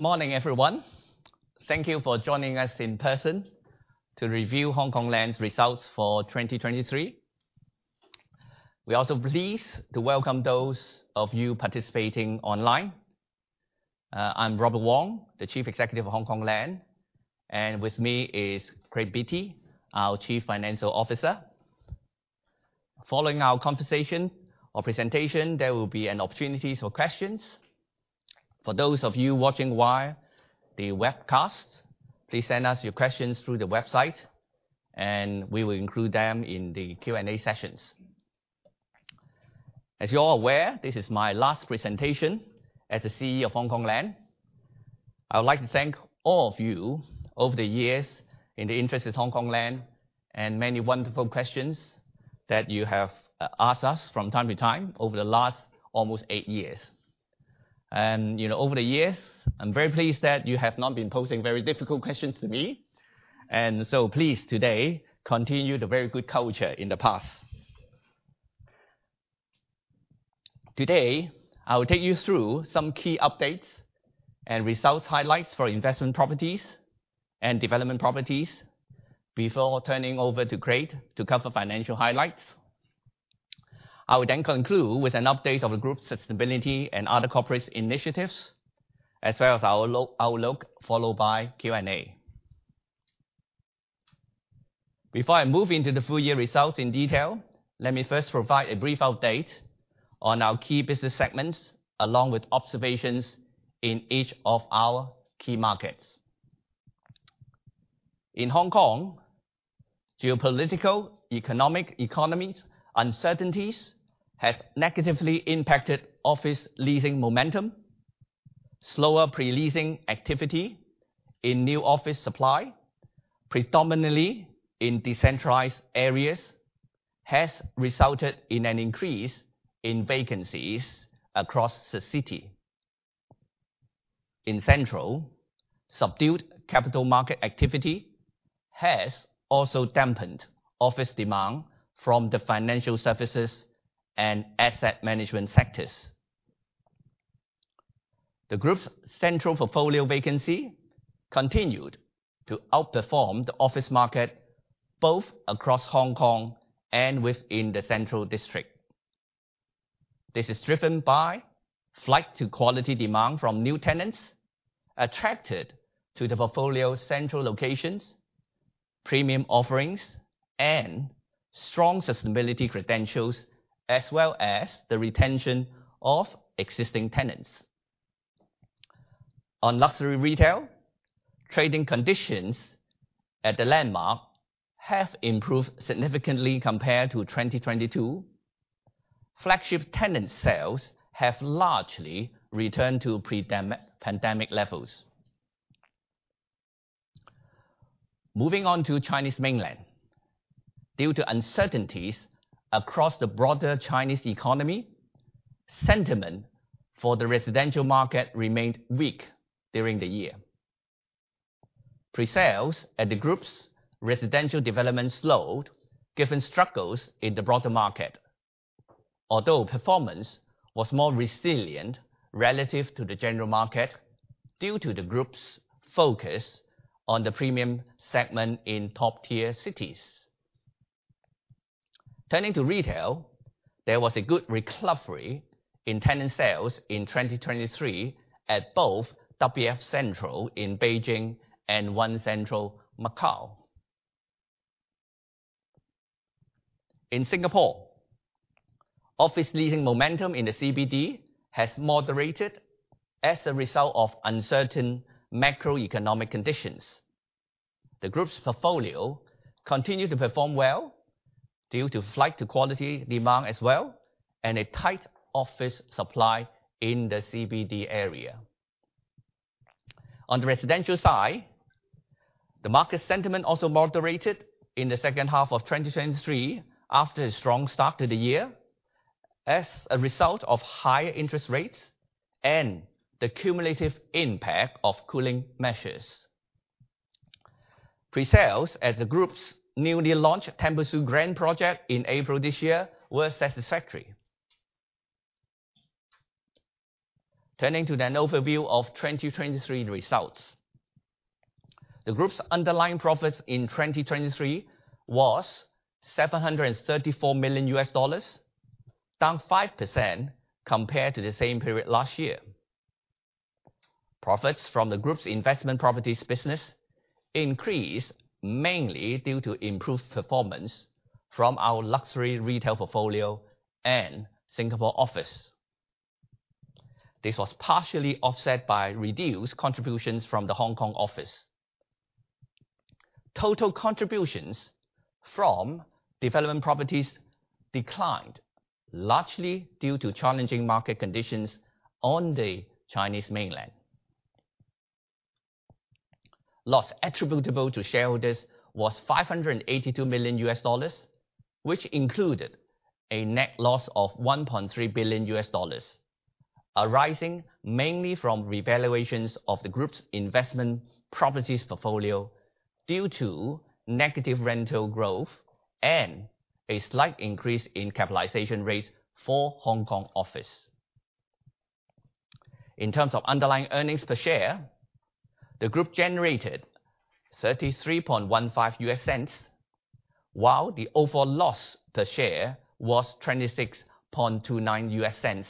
Morning, everyone. Thank you for joining us in person to review Hongkong Land's results for 2023. We are also pleased to welcome those of you participating online. I'm Robert Wong, the Chief Executive of Hongkong Land, and with me is Craig Beattie, our Chief Financial Officer. Following our presentation, there will be an opportunity for questions. For those of you watching via the webcast, please send us your questions through the website and we will include them in the Q&A sessions. As you're all aware, this is my last presentation as the CEO of Hongkong Land. I would like to thank all of you over the years in the interest of Hongkong Land, and many wonderful questions that you have asked us from time to time over the last almost eight years. Over the years, I'm very pleased that you have not been posing very difficult questions to me, so please today continue the very good culture in the past. Today, I will take you through some key updates and results highlights for investment properties and development properties before turning over to Craig to cover financial highlights. I will then conclude with an update of the group's sustainability and other corporate initiatives as well as our outlook, followed by Q&A. Before I move into the full year results in detail, let me first provide a brief update on our key business segments along with observations in each of our key markets. In Hong Kong, geopolitical economic uncertainties have negatively impacted office leasing momentum. Slower pre-leasing activity in new office supply, predominantly in decentralized areas, has resulted in an increase in vacancies across the city. In Central, subdued capital market activity has also dampened office demand from the financial services and asset management sectors. The group's Central portfolio vacancy continued to outperform the office market, both across Hong Kong and within the Central District. This is driven by flight to quality demand from new tenants attracted to the portfolio's central locations, premium offerings, and strong sustainability credentials, as well as the retention of existing tenants. On luxury retail, trading conditions at the LANDMARK have improved significantly compared to 2022. Flagship tenant sales have largely returned to pre-pandemic levels. Moving on to Chinese mainland. Due to uncertainties across the broader Chinese economy, sentiment for the residential market remained weak during the year. Pre-sales at the group's residential development slowed given struggles in the broader market. Although performance was more resilient relative to the general market due to the group's focus on the premium segment in top-tier cities. Turning to retail, there was a good recovery in tenant sales in 2023 at both WF CENTRAL in Beijing and One Central Macau. In Singapore, office leasing momentum in the CBD has moderated as a result of uncertain macroeconomic conditions. The group's portfolio continued to perform well due to flight to quality demand as well and a tight office supply in the CBD area. On the residential side, the market sentiment also moderated in the second half of 2023 after a strong start to the year as a result of higher interest rates and the cumulative impact of cooling measures. Pre-sales at the group's newly launched Tembusu Grand project in April this year were satisfactory. Turning to an overview of 2023 results. The group's underlying profits in 2023 was $734 million, down 5% compared to the same period last year. Profits from the group's investment properties business increased mainly due to improved performance from our luxury retail portfolio and Singapore office. This was partially offset by reduced contributions from the Hong Kong office. Total contributions from development properties declined largely due to challenging market conditions on the Chinese mainland. Loss attributable to shareholders was $582 million, which included a net loss of $1.3 billion, arising mainly from revaluations of the group's investment properties portfolio due to negative rental growth and a slight increase in capitalization rates for Hong Kong office. In terms of underlying earnings per share, the group generated $0.3315, while the overall loss per share was $0.2629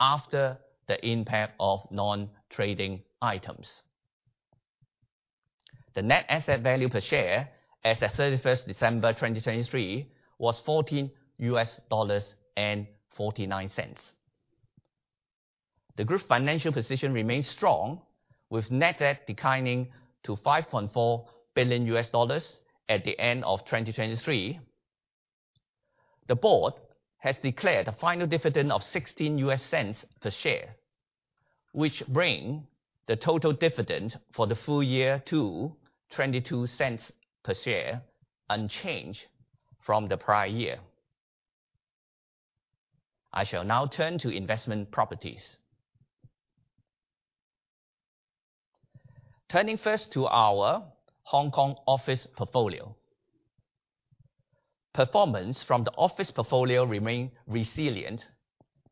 after the impact of non-trading items. The net asset value per share as at 31st December 2023 was $14.49. The group financial position remains strong with net debt declining to $5.4 billion at the end of 2023. The board has declared a final dividend of $0.16 per share, which bring the total dividend for the full year to $0.22 per share, unchanged from the prior year. I shall now turn to investment properties. Turning first to our Hong Kong office portfolio. Performance from the office portfolio remain resilient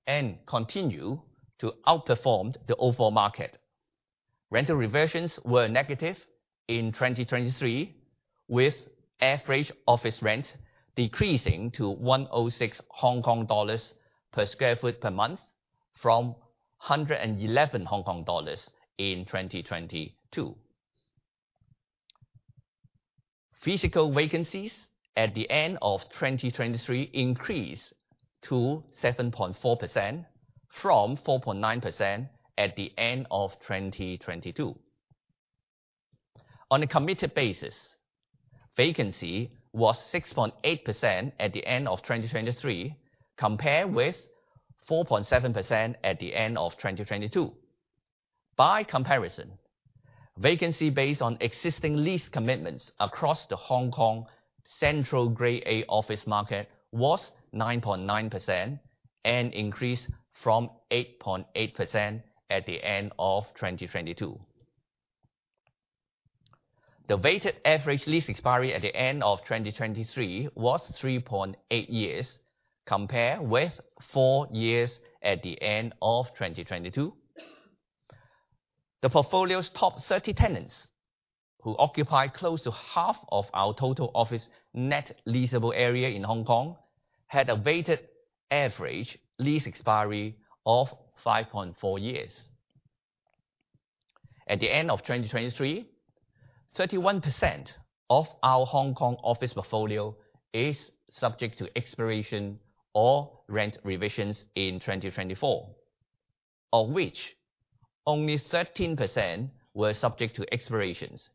and continue to outperformed the overall market. Rental reversions were negative in 2023, with average office rent decreasing to 106 Hong Kong dollars per sq ft per month from 111 Hong Kong dollars in 2022. Physical vacancies at the end of 2023 increased to 7.4% from 4.9% at the end of 2022. On a committed basis, vacancy was 6.8% at the end of 2023 compare with 4.7% at the end of 2022. By comparison, vacancy based on existing lease commitments across the Hong Kong Central Grade A office market was 9.9% and increased from 8.8% at the end of 2022. The weighted average lease expiry at the end of 2023 was 3.8 years, compare with four years at the end of 2022. The portfolio's top 30 tenants, who occupy close to half of our total office net leasable area in Hong Kong, had a weighted average lease expiry of 5.4 years. At the end of 2023, 31% of our Hong Kong office portfolio is subject to expiration or rent revisions in 2024, of which only 13% were subject to expirations,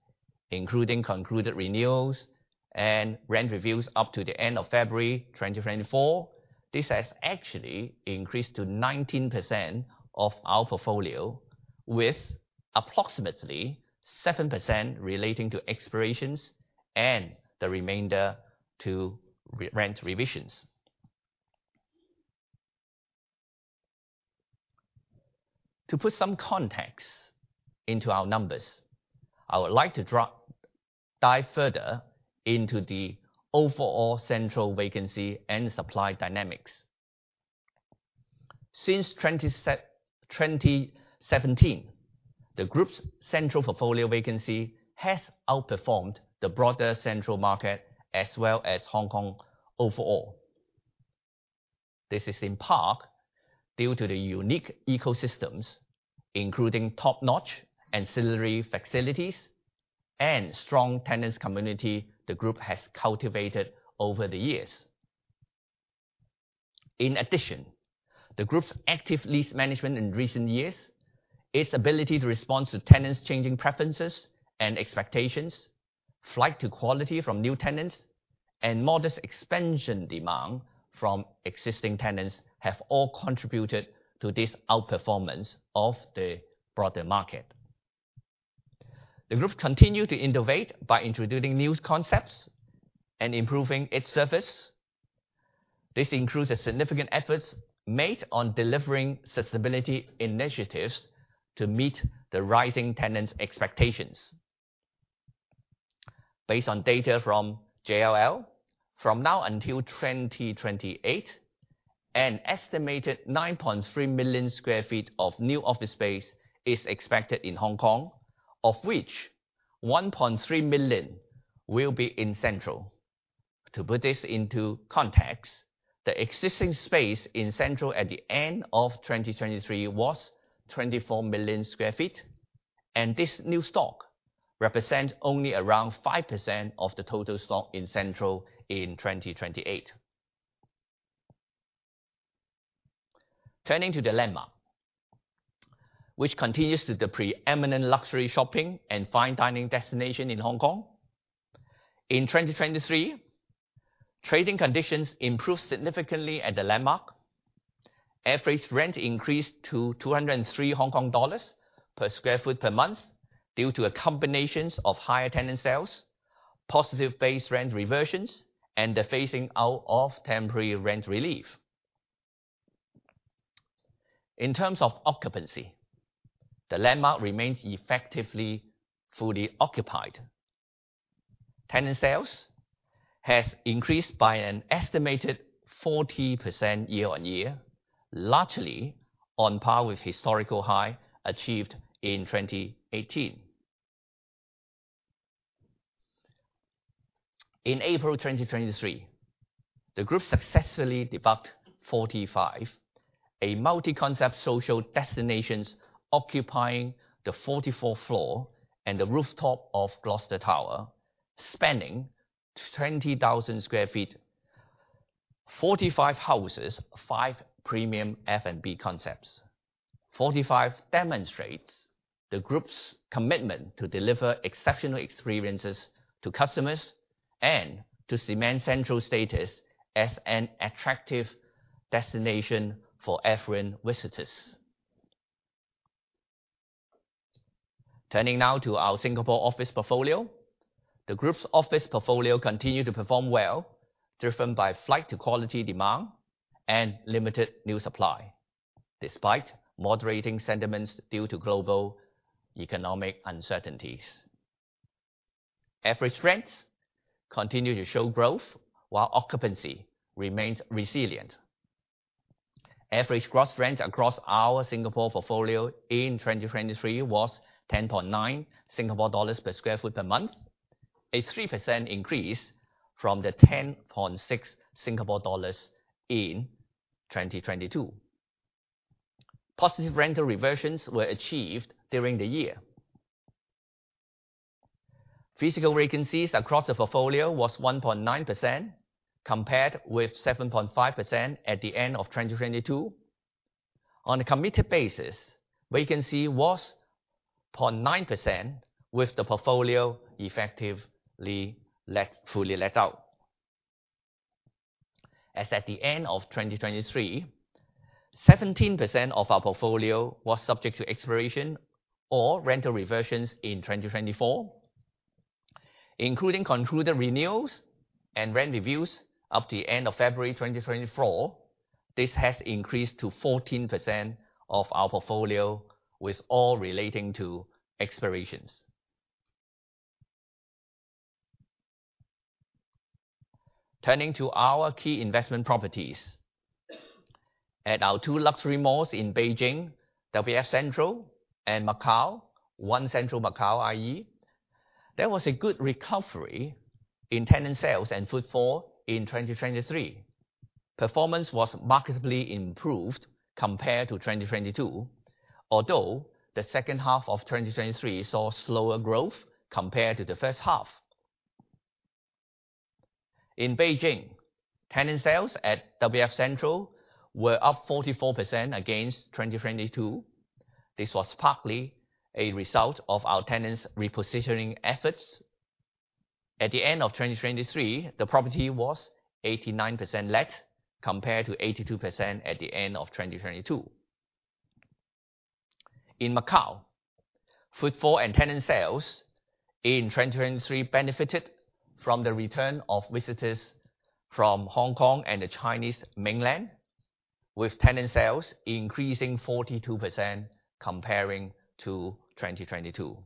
including concluded renewals and rent reviews up to the end of February 2024. This has actually increased to 19% of our portfolio, with approximately 7% relating to expirations and the remainder to rent revisions. To put some context into our numbers, I would like to dive further into the overall Central vacancy and supply dynamics. Since 2017, the group's Central portfolio vacancy has outperformed the broader Central market as well as Hong Kong overall. This is in part due to the unique ecosystems, including top-notch ancillary facilities and strong tenants community the group has cultivated over the years. In addition, the group's active lease management in recent years, its ability to respond to tenants' changing preferences and expectations, flight to quality from new tenants, and modest expansion demand from existing tenants have all contributed to this outperformance of the broader market. The group continue to innovate by introducing new concepts and improving its service. This includes the significant efforts made on delivering sustainability initiatives to meet the rising tenants' expectations. Based on data from JLL, from now until 2028, an estimated 9.3 million sq ft of new office space is expected in Hong Kong, of which 1.3 million will be in Central. To put this into context, the existing space in Central at the end of 2023 was 24 million sq ft, and this new stock represents only around 5% of the total stock in Central in 2028. Turning to LANDMARK, which continues to be the preeminent luxury shopping and fine dining destination in Hong Kong. In 2023, trading conditions improved significantly at LANDMARK. Average rent increased to 203 Hong Kong dollars per sq ft per month due to a combination of higher tenant sales, positive base rent reversions, and the phasing out of temporary rent relief. In terms of occupancy, LANDMARK remains effectively fully occupied. Tenant sales have increased by an estimated 40% year-on-year, largely on par with historical high achieved in 2018. In April 2023, the group successfully debuted Forty-Five, a multi-concept social destination occupying the 44th floor and the rooftop of Gloucester Tower, spanning 20,000 sq ft. Forty-Five houses five premium F&B concepts. Forty-Five demonstrates the group's commitment to deliver exceptional experiences to customers and to cement Central's status as an attractive destination for affluent visitors. Turning now to our Singapore office portfolio. The group's office portfolio continued to perform well, driven by flight to quality demand and limited new supply, despite moderating sentiments due to global economic uncertainties. Average rents continued to show growth while occupancy remains resilient. Average gross rents across our Singapore portfolio in 2023 was 10.9 Singapore dollars per sq ft per month, a 3% increase from the 10.6 Singapore dollars in 2022. Positive rental reversions were achieved during the year. Physical vacancies across the portfolio was 1.9%, compared with 7.5% at the end of 2022. On a committed basis, vacancy was 0.9% with the portfolio effectively fully let out. As at the end of 2023, 17% of our portfolio was subject to expiration or rental reversions in 2024. Including concluded renewals and rent reviews up to the end of February 2024, this has increased to 14% of our portfolio, with all relating to expirations. Turning to our key investment properties. At our two luxury malls in Beijing, WF CENTRAL, and Macau, One Central Macau, there was a good recovery in tenant sales and footfall in 2023. Performance was markedly improved compared to 2022, although the second half of 2023 saw slower growth compared to the first half. In Beijing, tenant sales at WF CENTRAL were up 44% against 2022. This was partly a result of our tenants' repositioning efforts. At the end of 2023, the property was 89% let compared to 82% at the end of 2022. In Macau, footfall and tenant sales in 2023 benefited from the return of visitors from Hong Kong and the Chinese mainland, with tenant sales increasing 42% comparing to 2022.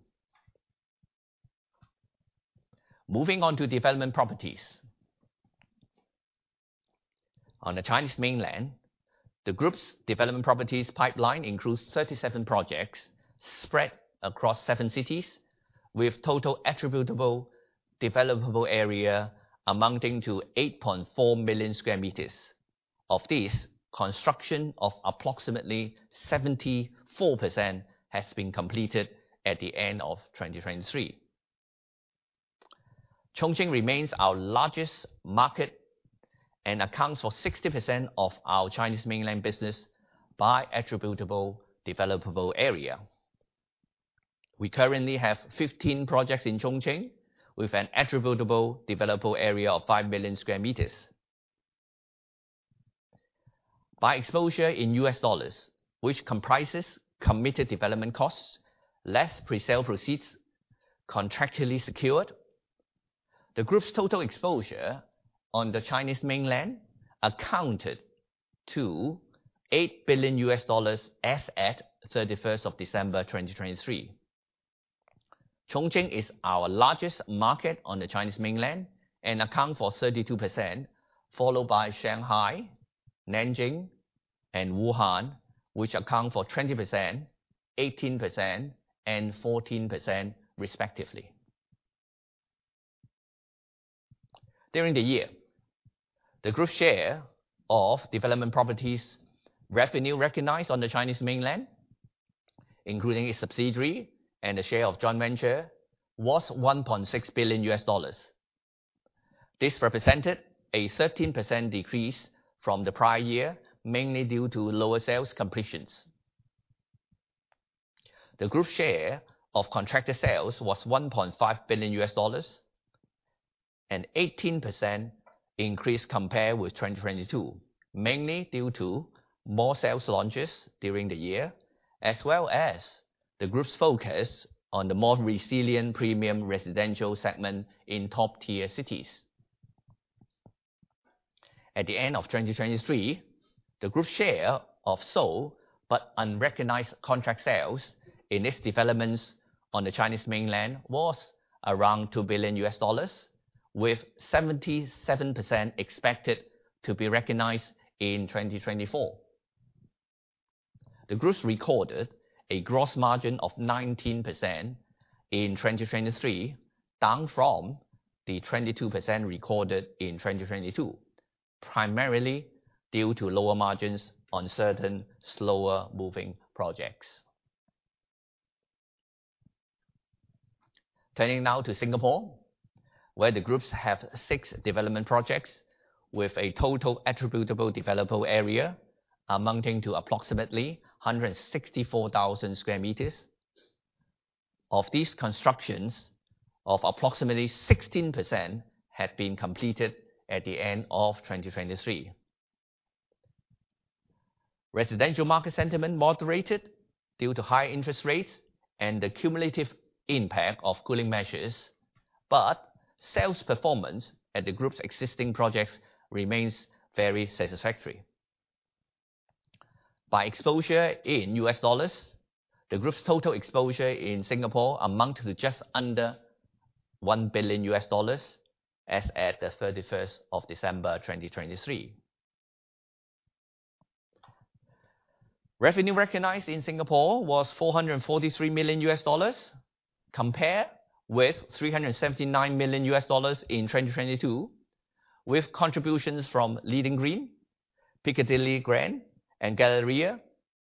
Moving on to development properties. On the Chinese mainland, the group's development properties pipeline includes 37 projects spread across seven cities, with total attributable developable area amounting to 8.4 million sq m. Of this, construction of approximately 74% has been completed at the end of 2023. Chongqing remains our largest market and accounts for 60% of our Chinese mainland business by attributable developable area. We currently have 15 projects in Chongqing, with an attributable developable area of 5 million sq m. By exposure in USD, which comprises committed development costs less presale proceeds contractually secured, the Group's total exposure on the Chinese mainland accounted to $8 billion as at 31st of December 2023. Chongqing is our largest market on the Chinese mainland and accounts for 32%, followed by Shanghai, Nanjing, and Wuhan, which account for 20%, 18% and 14% respectively. During the year, the Group share of development properties revenue recognized on the Chinese mainland, including its subsidiary and a share of joint venture, was $1.6 billion. This represented a 13% decrease from the prior year, mainly due to lower sales completions. The Group share of contracted sales was $1.5 billion, an 18% increase compared with 2022, mainly due to more sales launches during the year, as well as the Group's focus on the more resilient premium residential segment in top-tier cities. At the end of 2023, the Group's share of sold but unrecognized contract sales in its developments on the Chinese mainland was around $2 billion, with 77% expected to be recognized in 2024. The Group recorded a gross margin of 19% in 2023, down from the 22% recorded in 2022, primarily due to lower margins on certain slower-moving projects. Turning now to Singapore, where the Group's have 6 development projects with a total attributable developable area amounting to approximately 164,000 sq m. Of these, construction of approximately 16% have been completed at the end of 2023. Residential market sentiment moderated due to high interest rates and the cumulative impact of cooling measures, but sales performance at the Group's existing projects remains very satisfactory. By exposure in USD, the Group's total exposure in Singapore amounts to just under $1 billion as at the 31st of December 2023. Revenue recognized in Singapore was $443 million compared with $379 million in 2022, with contributions from Leedon Green, Piccadilly Grand, and Piccadilly Galleria,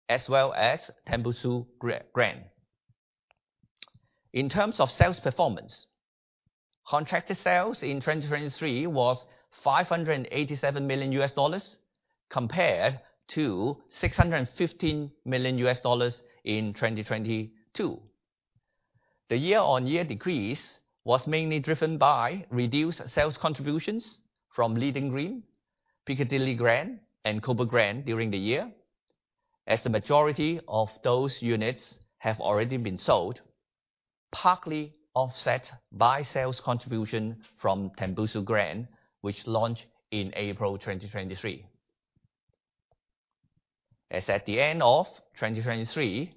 as well as Tembusu Grand. In terms of sales performance, contracted sales in 2023 was $587 million compared to $615 million in 2022. The year-on-year decrease was mainly driven by reduced sales contributions from Leedon Green, Piccadilly Grand, and Copen Grand during the year, as the majority of those units have already been sold, partly offset by sales contribution from Tembusu Grand, which launched in April 2023. As at the end of 2023,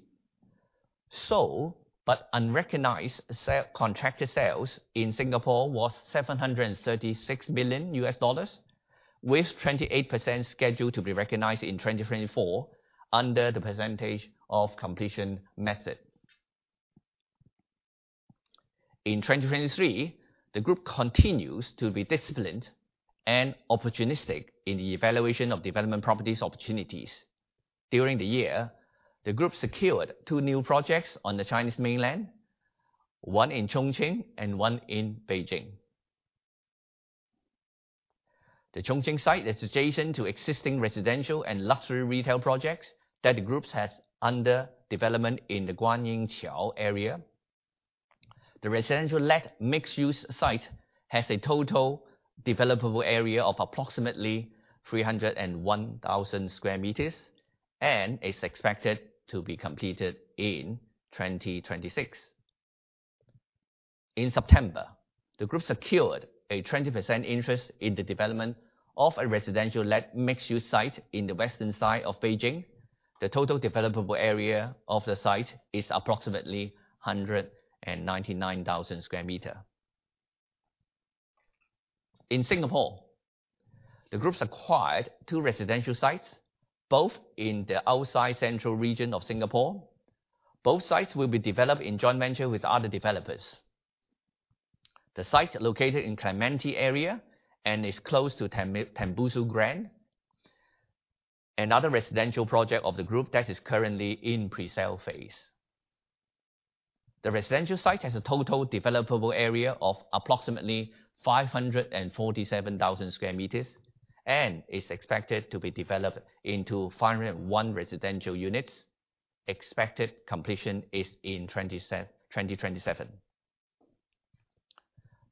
sold but unrecognized contracted sales in Singapore was $736 million, with 28% scheduled to be recognized in 2024 under the percentage of completion method. In 2023, the Group continues to be disciplined and opportunistic in the evaluation of development properties opportunities. During the year, the Group secured 2 new projects on the Chinese mainland, one in Chongqing and one in Beijing. The Chongqing site is adjacent to existing residential and luxury retail projects that the Group have under development in the Guanyinqiao area. The residential-led mixed-use site has a total developable area of approximately 301,000 sq m and is expected to be completed in 2026. In September, the Group secured a 20% interest in the development of a residential-led mixed-use site in the western side of Beijing. The total developable area of the site is approximately 199,000 sq m. In Singapore, the group acquired two residential sites, both in the outside central region of Singapore. Both sites will be developed in joint venture with other developers. The site located in Clementi area and is close to Tembusu Grand, another residential project of the group that is currently in pre-sale phase. The residential site has a total developable area of approximately 547,000 sq m and is expected to be developed into 501 residential units. Expected completion is in 2027.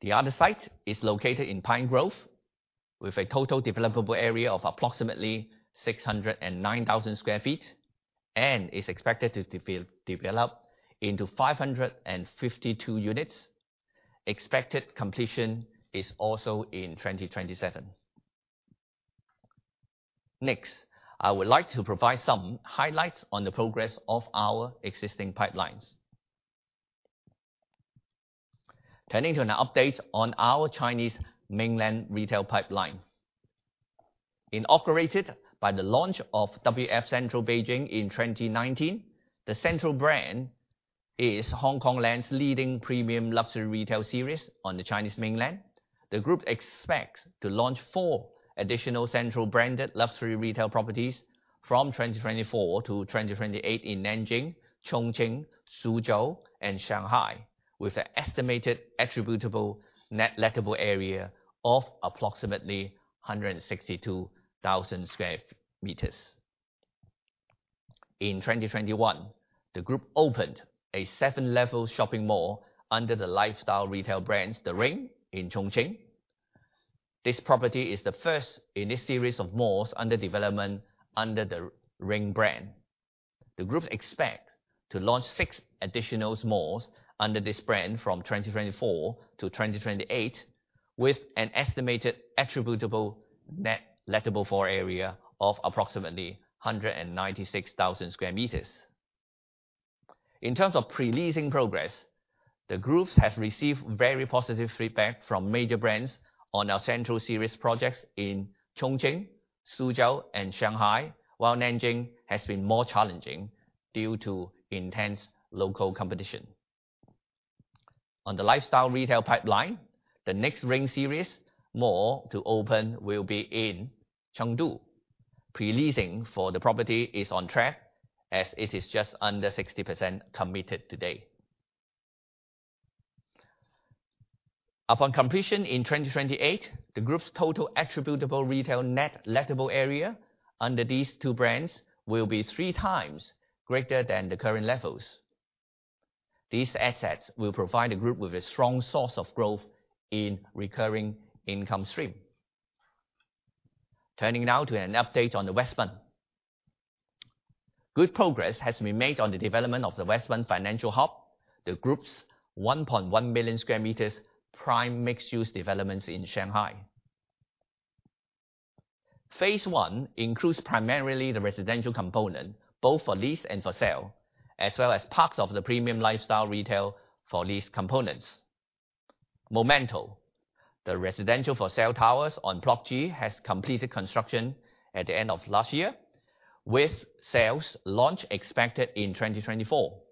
The other site is located in Pine Grove with a total developable area of approximately 609,000 sq ft and is expected to develop into 552 units. Expected completion is also in 2027. I would like to provide some highlights on the progress of our existing pipelines. Turning to an update on our Chinese mainland retail pipeline. Inaugurated by the launch of WF CENTRAL Beijing in 2019, the Central brand is Hongkong Land's leading premium luxury retail series on the Chinese mainland. The group expects to launch four additional Central branded luxury retail properties from 2024 to 2028 in Nanjing, Chongqing, Suzhou, and Shanghai, with an estimated attributable net lettable area of approximately 162,000 sq m. In 2021, the group opened a seven-level shopping mall under the lifestyle retail brands The Ring in Chongqing. This property is the first in this series of malls under development under The Ring brand. The group expects to launch six additional malls under this brand from 2024 to 2028, with an estimated attributable net lettable area of approximately 196,000 sq m. In terms of pre-leasing progress, the group has received very positive feedback from major brands on our Central Series projects in Chongqing, Suzhou, and Shanghai, while Nanjing has been more challenging due to intense local competition. On the lifestyle retail pipeline, the next Ring Series mall to open will be in Chengdu. Pre-leasing for the property is on track as it is just under 60% committed today. Upon completion in 2028, the group's total attributable retail net lettable area under these two brands will be three times greater than the current levels. These assets will provide the group with a strong source of growth in recurring income stream. Turning now to an update on the West Bund. Good progress has been made on the development of the West Bund Financial Hub, the group's 1.1 million sq m prime mixed-use developments in Shanghai. Phase one includes primarily the residential component, both for lease and for sale, as well as parts of the premium lifestyle retail for lease components. Momento, the residential for sale towers on Block G, has completed construction at the end of last year, with sales launch expected in 2024.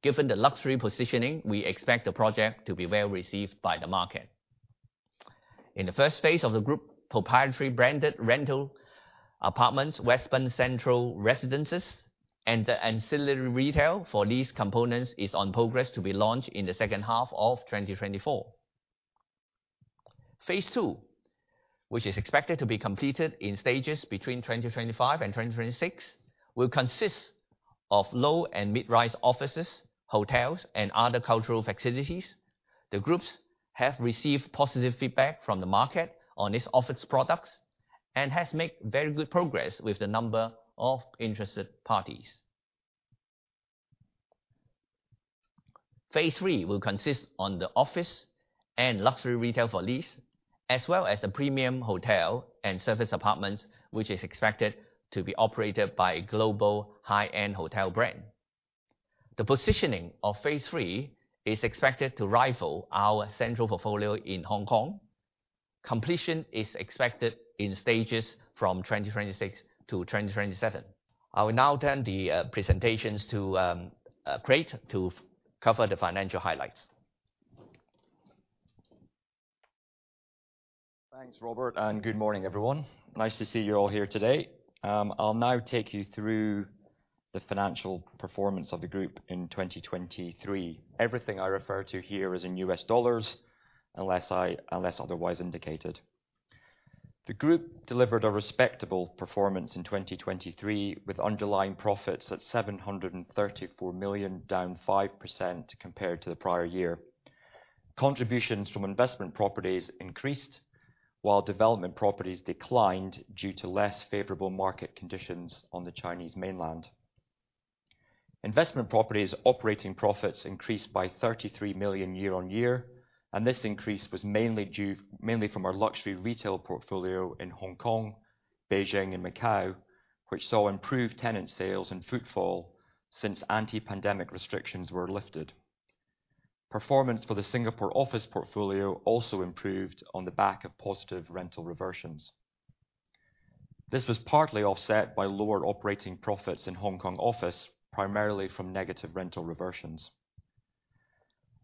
Given the luxury positioning, we expect the project to be well-received by the market. In the first phase of the group proprietary branded rental apartments, West Bund Central Residences, and the ancillary retail for these components is in progress to be launched in the second half of 2024. Phase two, which is expected to be completed in stages between 2025 and 2026, will consist of low and mid-rise offices, hotels, and other cultural facilities. The group has received positive feedback from the market on its office products and has made very good progress with the number of interested parties. Phase 3 will consist on the office and luxury retail for lease, as well as the premium hotel and service apartments, which is expected to be operated by a global high-end hotel brand. The positioning of phase 3 is expected to rival our Central portfolio in Hong Kong. Completion is expected in stages from 2026 to 2027. I will now turn the presentations to Craig to cover the financial highlights. Thanks, Robert, good morning, everyone. Nice to see you all here today. I'll now take you through the financial performance of the group in 2023. Everything I refer to here is in US dollars, unless otherwise indicated. The group delivered a respectable performance in 2023, with underlying profits at $734 million, down 5% compared to the prior year. Contributions from investment properties increased, while development properties declined due to less favorable market conditions on the Chinese mainland. Investment properties operating profits increased by $33 million year-on-year. This increase was mainly from our luxury retail portfolio in Hong Kong, Beijing, and Macau, which saw improved tenant sales and footfall since anti-pandemic restrictions were lifted. Performance for the Singapore office portfolio also improved on the back of positive rental reversions. This was partly offset by lower operating profits in Hong Kong office, primarily from negative rental reversions.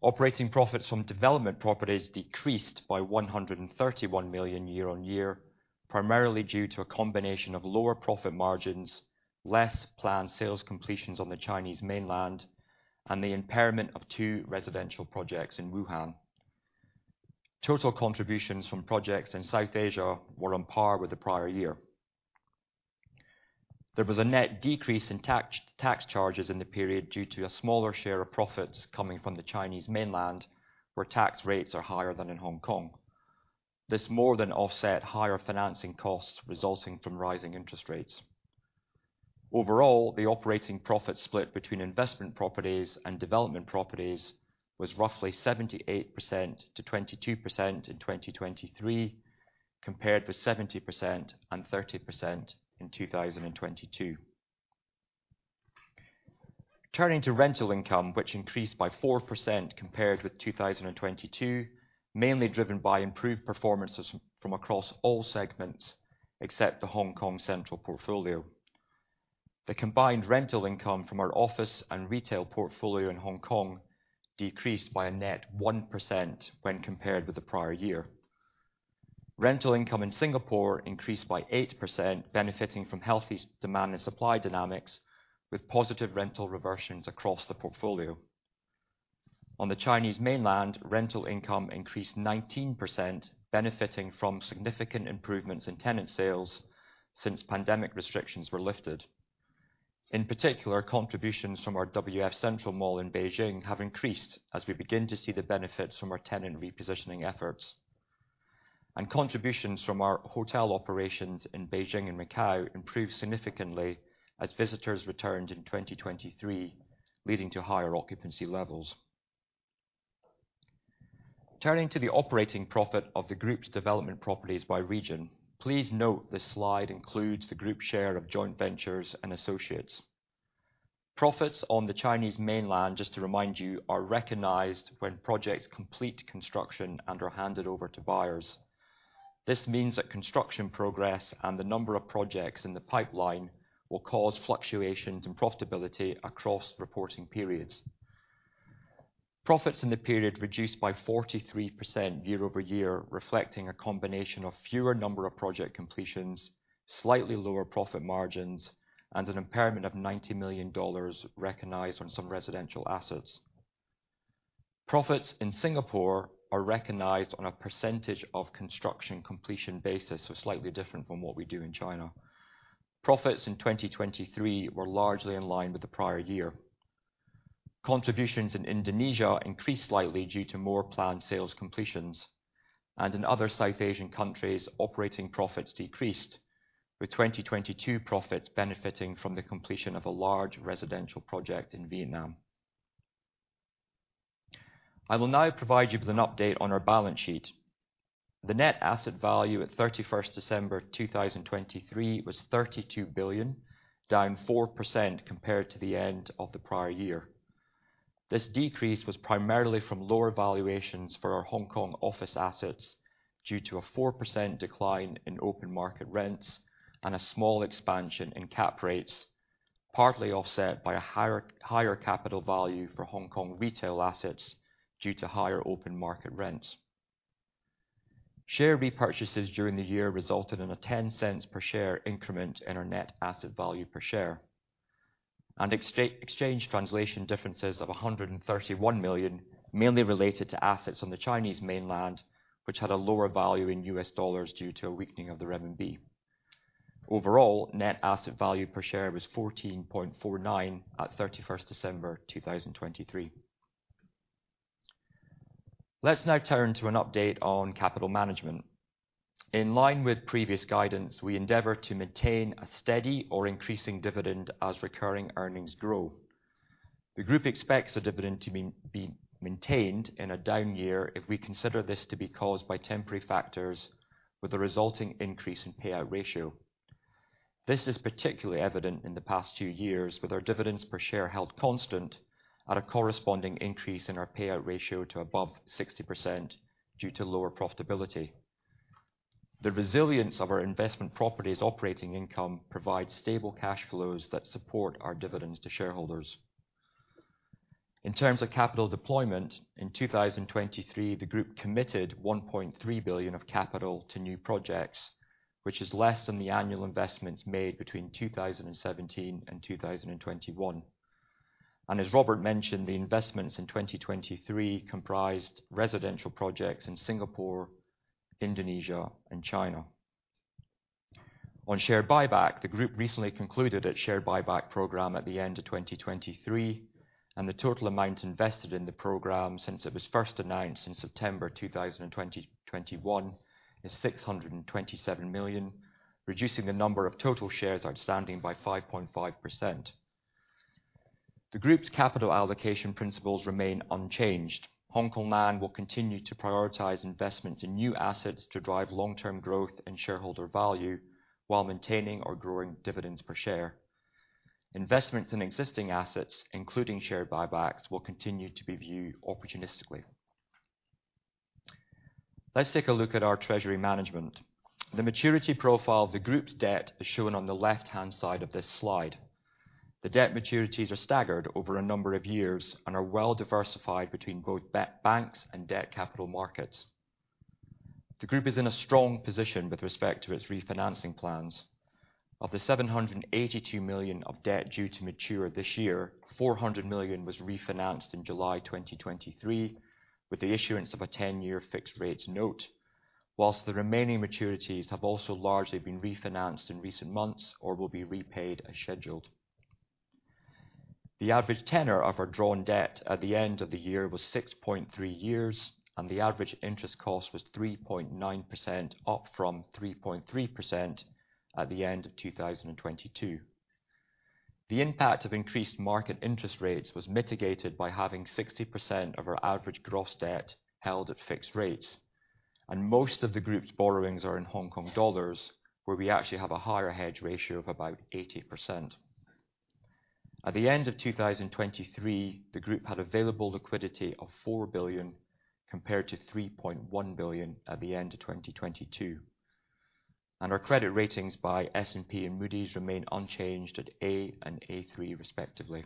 Operating profits from development properties decreased by $131 million year-on-year, primarily due to a combination of lower profit margins, less planned sales completions on the Chinese mainland, and the impairment of two residential projects in Wuhan. Total contributions from projects in Southeast Asia were on par with the prior year. There was a net decrease in tax charges in the period due to a smaller share of profits coming from the Chinese mainland, where tax rates are higher than in Hong Kong. This more than offset higher financing costs resulting from rising interest rates. Overall, the operating profit split between investment properties and development properties was roughly 78%-22% in 2023, compared with 70% and 30% in 2022. Turning to rental income, which increased by 4% compared with 2022, mainly driven by improved performances from across all segments except the Hong Kong Central portfolio. The combined rental income from our office and retail portfolio in Hong Kong decreased by a net 1% when compared with the prior year. Rental income in Singapore increased by 8%, benefiting from healthy demand and supply dynamics, with positive rental reversions across the portfolio. On the Chinese mainland, rental income increased 19%, benefiting from significant improvements in tenant sales since pandemic restrictions were lifted. In particular, contributions from our WF CENTRAL Mall in Beijing have increased as we begin to see the benefits from our tenant repositioning efforts. Contributions from our hotel operations in Beijing and Macau improved significantly as visitors returned in 2023, leading to higher occupancy levels. Turning to the operating profit of the group's development properties by region. Please note this slide includes the group share of joint ventures and associates. Profits on the Chinese mainland, just to remind you, are recognized when projects complete construction and are handed over to buyers. This means that construction progress and the number of projects in the pipeline will cause fluctuations in profitability across reporting periods. Profits in the period reduced by 43% year-over-year, reflecting a combination of fewer number of project completions, slightly lower profit margins, and an impairment of $90 million recognized on some residential assets. Profits in Singapore are recognized on a percentage of construction completion basis, so slightly different from what we do in China. Profits in 2023 were largely in line with the prior year. Contributions in Indonesia increased slightly due to more planned sales completions. In other South Asian countries, operating profits decreased, with 2022 profits benefiting from the completion of a large residential project in Vietnam. I will now provide you with an update on our balance sheet. The net asset value at 31st December 2023 was $32 billion, down 4% compared to the end of the prior year. This decrease was primarily from lower valuations for our Hong Kong office assets due to a 4% decline in open market rents and a small expansion in capitalization rates, partly offset by a higher capital value for Hong Kong retail assets due to higher open market rents. Share repurchases during the year resulted in a $0.10 per share increment in our net asset value per share. Exchange translation differences of $131 million, mainly related to assets on the Chinese mainland, which had a lower value in US dollars due to a weakening of the renminbi. Overall, net asset value per share was $14.49 at 31st December 2023. Let's now turn to an update on capital management. In line with previous guidance, we endeavor to maintain a steady or increasing dividend as recurring earnings grow. The group expects the dividend to be maintained in a down year if we consider this to be caused by temporary factors, with a resulting increase in payout ratio. This is particularly evident in the past few years with our dividends per share held constant at a corresponding increase in our payout ratio to above 60% due to lower profitability. The resilience of our investment properties operating income provides stable cash flows that support our dividends to shareholders. In terms0 of capital deployment, in 2023, the group committed $1.3 billion of capital to new projects, which is less than the annual investments made between 2017 and 2021. As Robert mentioned, the investments in 2023 comprised residential projects in Singapore, Indonesia and China. On share buyback, the group recently concluded its share buyback program at the end of 2023. The total amount invested in the program since it was first announced in September 2021 is $627 million, reducing the number of total shares outstanding by 5.5%. The group's capital allocation principles remain unchanged. Hongkong Land will continue to prioritize investments in new assets to drive long-term growth and shareholder value while maintaining or growing dividends per share. Investments in existing assets, including share buybacks, will continue to be viewed opportunistically. Let's take a look at our treasury management. The maturity profile of the group's debt is shown on the left-hand side of this slide. The debt maturities are staggered over a number of years and are well diversified between both banks and debt capital markets. The group is in a strong position with respect to its refinancing plans. Of the $782 million of debt due to mature this year, $400 million was refinanced in July 2023 with the issuance of a 10-year fixed rate note. The remaining maturities have also largely been refinanced in recent months or will be repaid as scheduled. The average tenor of our drawn debt at the end of the year was 6.3 years, and the average interest cost was 3.9%, up from 3.3% at the end of 2022. The impact of increased market interest rates was mitigated by having 60% of our average gross debt held at fixed rates, and most of the group's borrowings are in Hong Kong dollars, where we actually have a higher hedge ratio of about 80%. At the end of 2023, the group had available liquidity of $4 billion compared to $3.1 billion at the end of 2022. Our credit ratings by S&P and Moody's remain unchanged at A and A3, respectively.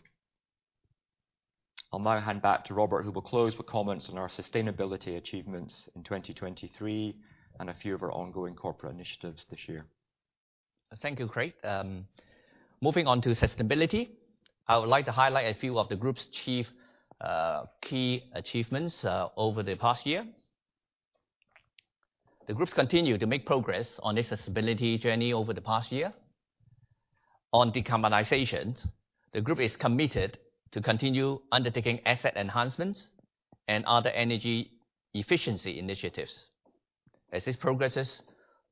I'll now hand back to Robert, who will close with comments on our sustainability achievements in 2023 and a few of our ongoing corporate initiatives this year. Thank you, Craig. Moving on to sustainability. I would like to highlight a few of the group's key achievements over the past year. The group continued to make progress on their sustainability journey over the past year. On decarbonization, the group is committed to continue undertaking asset enhancements and other energy efficiency initiatives as this progresses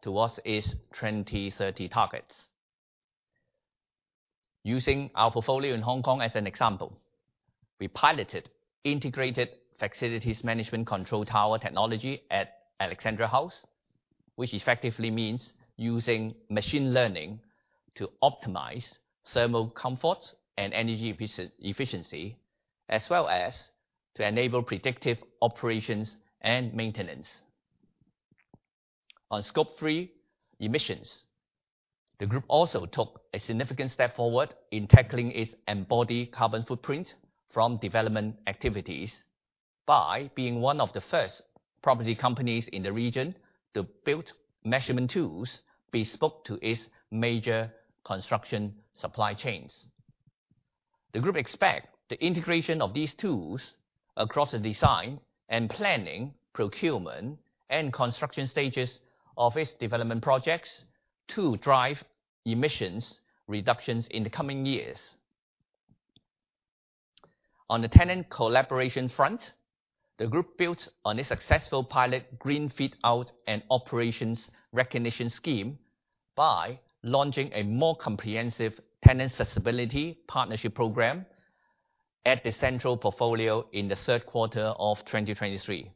towards its 2030 targets. Using our portfolio in Hong Kong as an example, we piloted integrated facilities management control tower technology at Alexandra House, which effectively means using machine learning to optimize thermal comfort and energy efficiency, as well as to enable predictive operations and maintenance. On Scope 3 emissions, the group also took a significant step forward in tackling its embodied carbon footprint from development activities by being one of the first property companies in the region to build measurement tools bespoke to its major construction supply chains. The group expects the integration of these tools across the design and planning, procurement, and construction stages of its development projects to drive emissions reductions in the coming years. On the tenant collaboration front, the group built on a successful pilot green fit-out and operations recognition scheme by launching a more comprehensive tenant sustainability partnership program at the Central portfolio in the third quarter of 2023.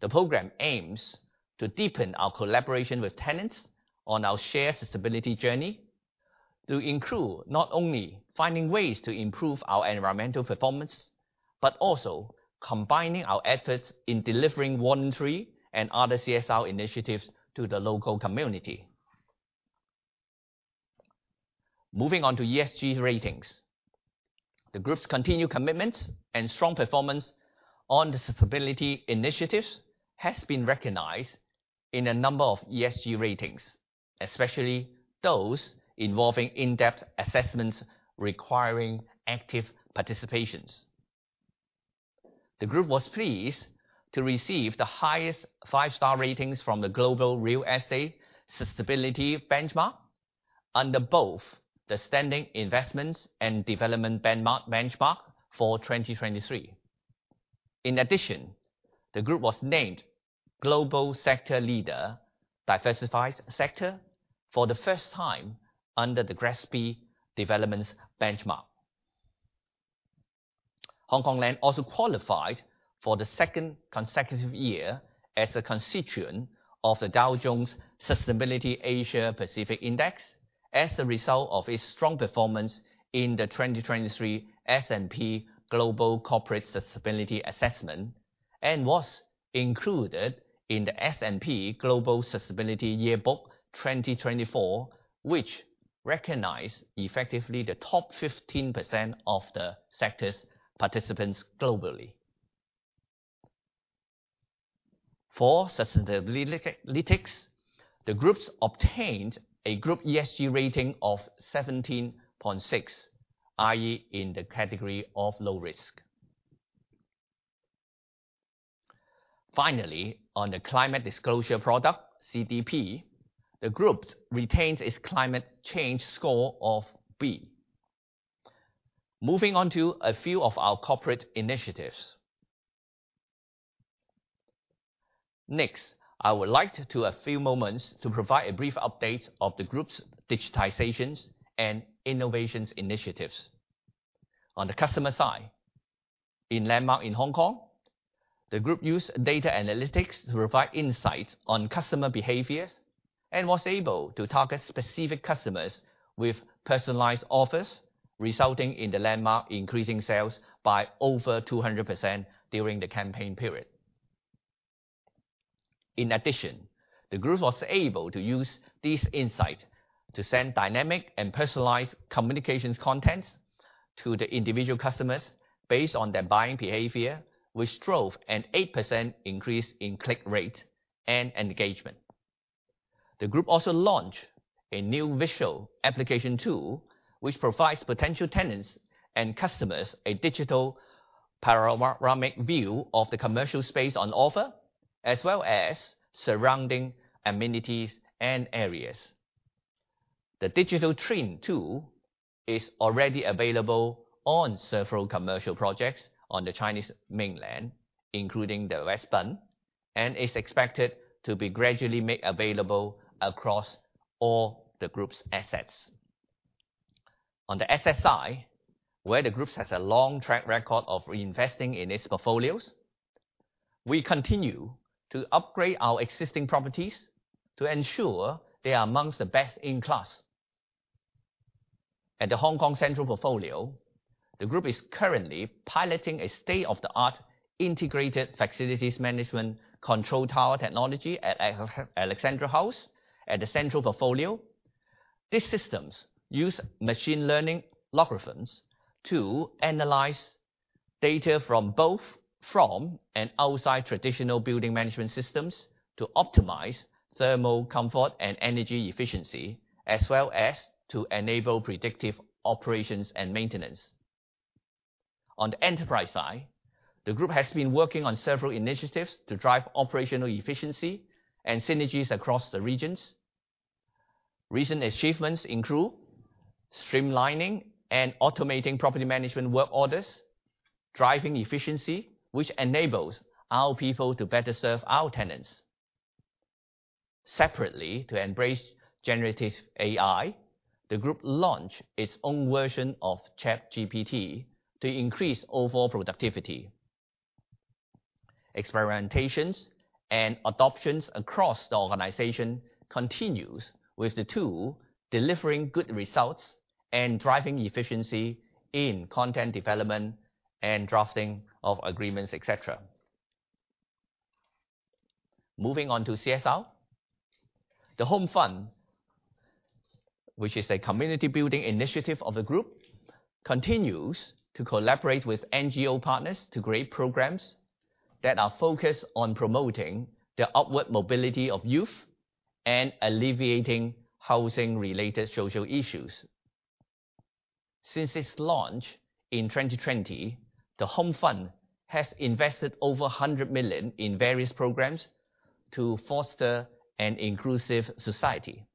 The program aims to deepen our collaboration with tenants on our shared sustainability journey to include not only finding ways to improve our environmental performance, but also combining our efforts in delivering voluntary and other CSR initiatives to the local community. Moving on to ESG ratings. The group's continued commitment and strong performance on the sustainability initiatives has been recognized in a number of ESG ratings, especially those involving in-depth assessments requiring active participation. The group was pleased to receive the highest five-star ratings from the Global Real Estate Sustainability Benchmark under both the standing investments and development benchmark for 2023. In addition, the group was named Global Sector Leader Diversified Sector for the first time under the GRESB developments benchmark. Hongkong Land also qualified for the second consecutive year as a constituent of the Dow Jones Sustainability Asia Pacific Index as a result of its strong performance in the 2023 S&P Global Corporate Sustainability Assessment and was included in the S&P Global Sustainability Yearbook 2024, which recognized effectively the top 15% of the sector's participants globally. For Sustainalytics, the groups obtained a group ESG rating of 17.6, i.e. in the category of low risk. Finally, on the Climate Disclosure Project, CDP, the group retains its climate change score of B. Moving on to a few of our corporate initiatives. Next, I would like to a few moments to provide a brief update of the group's digitizations and innovations initiatives. On the customer side, in LANDMARK in Hong Kong, the group used data analytics to provide insights on customer behaviors and was able to target specific customers with personalized offers, resulting in the LANDMARK increasing sales by over 200% during the campaign period. In addition, the group was able to use this insight to send dynamic and personalized communications contents to the individual customers based on their buying behavior, which drove an 8% increase in click rate and engagement. The group also launched a new visual application tool, which provides potential tenants and customers a digital panoramic view of the commercial space on offer, as well as surrounding amenities and areas. The digital twin tool is already available on several commercial projects on the Chinese mainland, including the West Bund, and is expected to be gradually made available across all the group's assets. On the standing investments, where the group has a long track record of investing in its portfolios, we continue to upgrade our existing properties to ensure they are amongst the best in class. At the Hong Kong Central portfolio, the group is currently piloting a state-of-the-art integrated facilities management control tower technology at Alexandra House at the Central portfolio. These systems use machine learning algorithms to analyze data from both and outside traditional building management systems to optimize thermal comfort and energy efficiency, as well as to enable predictive operations and maintenance. On the enterprise side, the group has been working on several initiatives to drive operational efficiency and synergies across the regions. Recent achievements include streamlining and automating property management work orders, driving efficiency, which enables our people to better serve our tenants. Separately, to embrace generative AI, the group launched its own version of ChatGPT to increase overall productivity. Experimentations and adoptions across the organization continues with the tool delivering good results and driving efficiency in content development and drafting of agreements, et cetera. Moving on to CSR. The HOME FUND, which is a community building initiative of the group, continues to collaborate with NGO partners to create programs that are focused on promoting the upward mobility of youth and alleviating housing-related social issues. Since its launch in 2020, the HOME FUND has invested over 100 million in various programs to foster an inclusive society.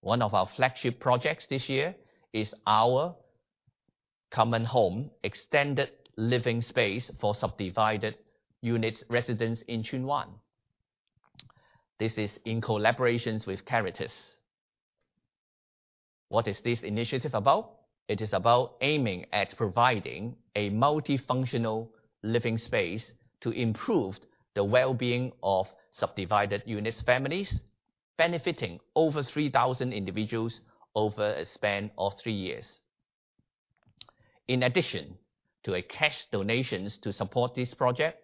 One of our flagship projects this year is Our Common Home - Extended Living Space for Sub-divided Units Residents in Tsuen Wan. This is in collaboration with Caritas. What is this initiative about? It is about aiming at providing a multifunctional living space to improve the well-being of sub-divided units' families, benefiting over 3,000 individuals over a span of three years. In addition to cash donations to support this project,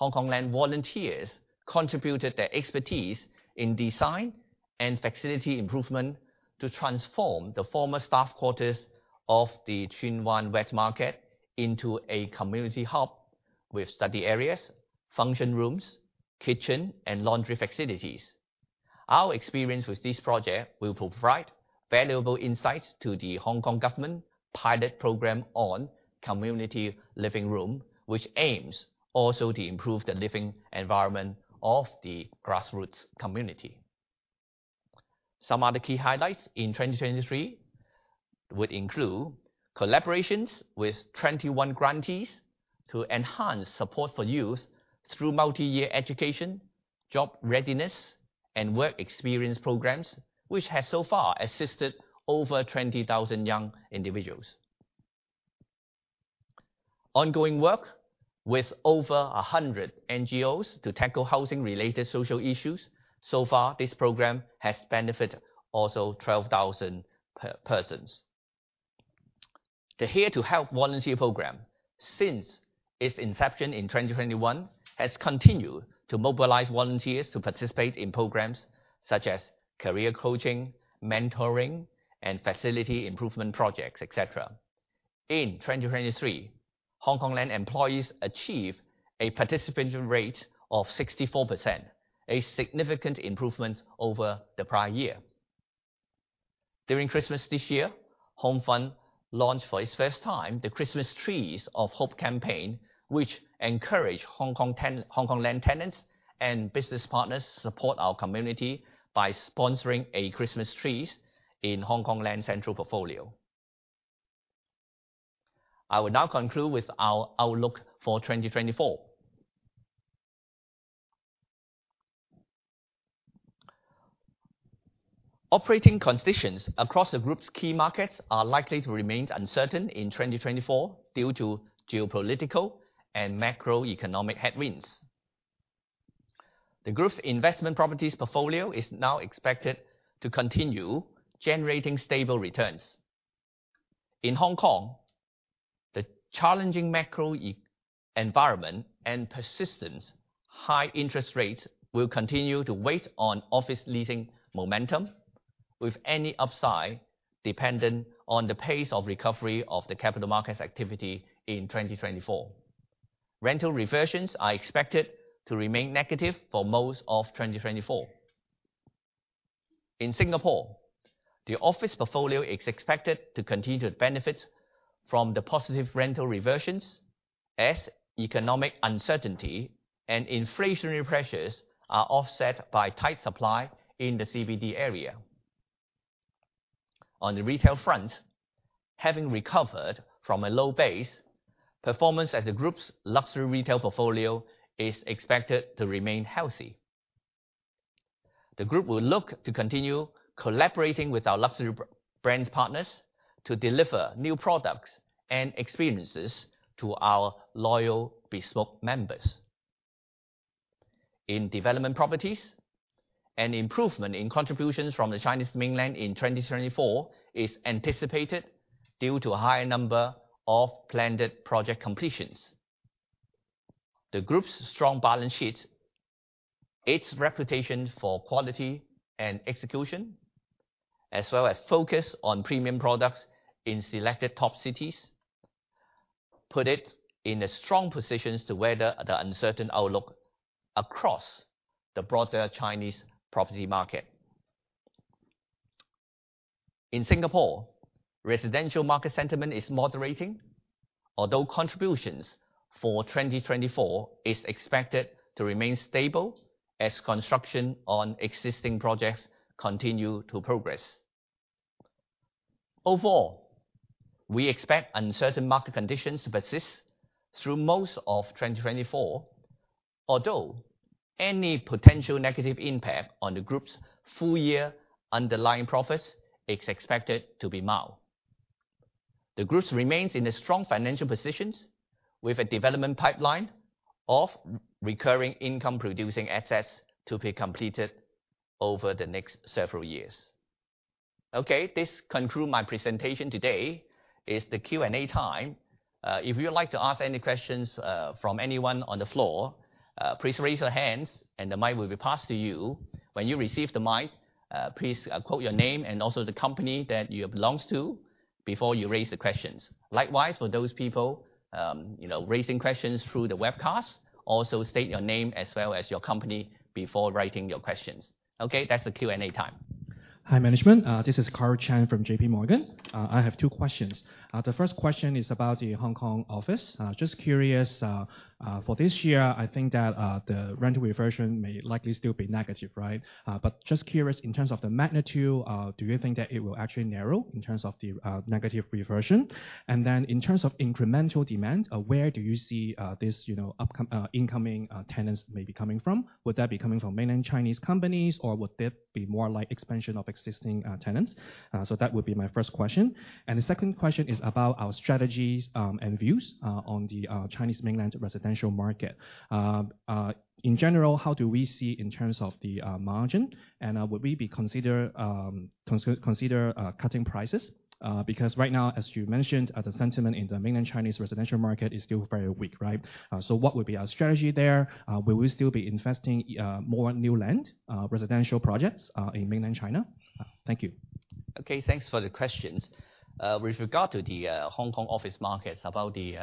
Hongkong Land volunteers contributed their expertise in design and facility improvement to transform the former staff quarters of the Tsuen Wan Wet Market into a community hub with study areas, function rooms, kitchen, and laundry facilities. Our experience with this project will provide valuable insights to the Hong Kong government pilot program on community living room, which aims also to improve the living environment of the grassroots community. Some other key highlights in 2023 would include collaborations with 21 grantees to enhance support for youth through multi-year education, job readiness, and work experience programs, which has so far assisted over 20,000 young individuals. Ongoing work with over 100 NGOs to tackle housing-related social issues. So far, this program has benefited also 12,000 persons. The HERE2HELP volunteer program, since its inception in 2021, has continued to mobilize volunteers to participate in programs such as career coaching, mentoring, and facility improvement projects, et cetera. In 2023, Hongkong Land employees achieved a participation rate of 64%, a significant improvement over the prior year. During Christmas this year, HOME FUND launched for its first time the Christmas Trees of Hope campaign, which encouraged Hongkong Land tenants and business partners to support our community by sponsoring a Christmas tree in Hongkong Land's Central portfolio. I will now conclude with our outlook for 2024. Operating conditions across the group's key markets are likely to remain uncertain in 2024 due to geopolitical and macroeconomic headwinds. The group's investment properties portfolio is now expected to continue generating stable returns. In Hong Kong, the challenging macro environment and persistent high interest rates will continue to weight on office leasing momentum, with any upside dependent on the pace of recovery of the capital markets activity in 2024. Rental reversions are expected to remain negative for most of 2024. In Singapore, the office portfolio is expected to continue to benefit from the positive rental reversions as economic uncertainty and inflationary pressures are offset by tight supply in the CBD area. On the retail front, having recovered from a low base, performance at the group's luxury retail portfolio is expected to remain healthy. The group will look to continue collaborating with our luxury brand partners to deliver new products and experiences to our loyal bespoke members. In development properties, an improvement in contributions from the Chinese mainland in 2024 is anticipated due to a higher number of planned project completions. The group's strong balance sheet, its reputation for quality and execution, as well as focus on premium products in selected top cities, put it in a strong position to weather the uncertain outlook across the broader Chinese property market. In Singapore, residential market sentiment is moderating although contributions for 2024 is expected to remain stable as construction on existing projects continue to progress. Overall, we expect uncertain market conditions to persist through most of 2024, although any potential negative impact on the group's full year underlying profits is expected to be mild. The group remains in a strong financial position with a development pipeline of recurring income producing assets to be completed over the next several years. Okay, this conclude my presentation today. It's the Q&A time. If you would like to ask any questions from anyone on the floor, please raise your hands and the mic will be passed to you. When you receive the mic, please quote your name and also the company that you belongs to before you raise the questions. Likewise, for those people raising questions through the webcast, also state your name as well as your company before writing your questions. Okay, that's the Q&A time. Hi, management. This is Karl Chan from J.P. Morgan. I have two questions. The first question is about the Hong Kong office. Just curious, for this year, I think that the rental reversion may likely still be negative, right? Just curious in terms of the magnitude, do you think that it will actually narrow in terms of the negative reversion? In terms of incremental demand, where do you see these incoming tenants may be coming from? Would that be coming from mainland Chinese companies or would that be more like expansion of existing tenants? That would be my first question. The second question is about our strategies, and views on the Chinese mainland residential market. In general, how do we see in terms of the margin and would we consider cutting prices? Because right now, as you mentioned, the sentiment in the mainland Chinese residential market is still very weak, right? What would be our strategy there? Will we still be investing more new land, residential projects in mainland China? Thank you. Okay, thanks for the questions. With regard to the Hong Kong office markets, about the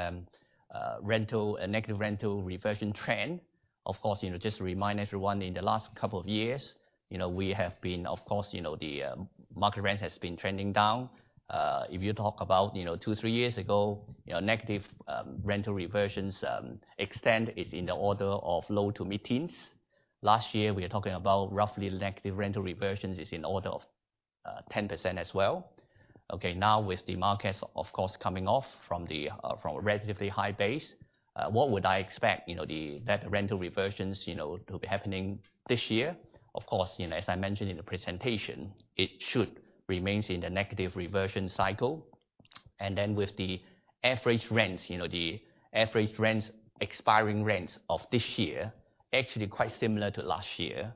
negative rental reversion trend, of course, just to remind everyone, in the last couple of years, the market rent has been trending down. If you talk about two, three years ago, negative rental reversions extent is in the order of low to mid-teens. Last year, we are talking about roughly negative rental reversions is in order of 10% as well. Okay, now with the markets, of course, coming off from a relatively high base, what would I expect that rental reversions to be happening this year? Of course, as I mentioned in the presentation, it should remain in the negative reversion cycle. With the average rents expiring rents of this year actually quite similar to last year,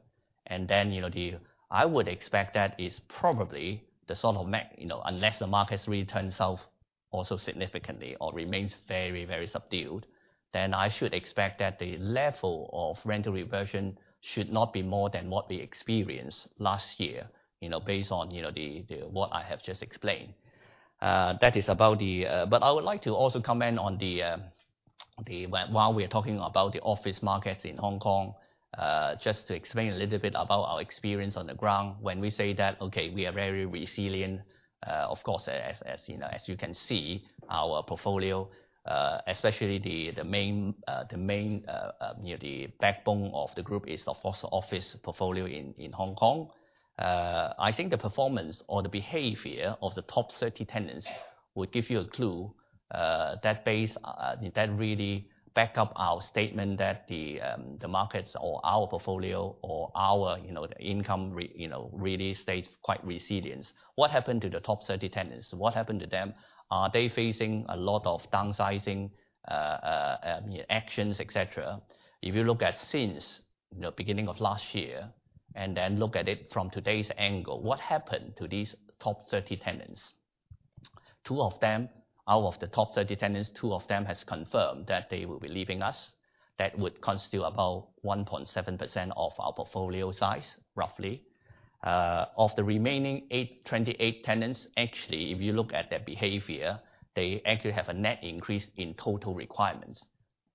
I would expect that is probably the sort of unless the market really turns south also significantly or remains very, very subdued, then I should expect that the level of rental reversion should not be more than what we experienced last year, based on what I have just explained. I would like to also comment on the, while we are talking about the office markets in Hong Kong, just to explain a little bit about our experience on the ground when we say that, okay, we are very resilient, of course, as you can see, our portfolio, especially the backbone of the group is, of course, the office portfolio in Hong Kong. I think the performance or the behavior of the top 30 tenants would give you a clue that really back up our statement that the markets or our portfolio or our income really stays quite resilient. What happened to the top 30 tenants? What happened to them? Are they facing a lot of downsizing actions, et cetera? If you look at since beginning of last year, look at it from today's angle, what happened to these top 30 tenants? Out of the top 30 tenants, two of them has confirmed that they will be leaving us. That would constitute about 1.7% of our portfolio size, roughly. Of the remaining 28 tenants, actually, if you look at their behavior, they actually have a net increase in total requirements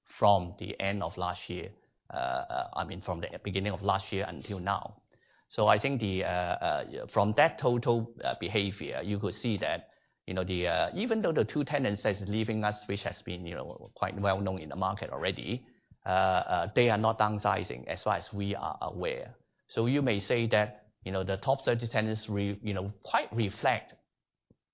from the end of last year. I mean, from the beginning of last year until now. I think from that total behavior, you could see that even though the two tenants that is leaving us, which has been quite well known in the market already, they are not downsizing as far as we are aware. You may say that the top 30 tenants reflect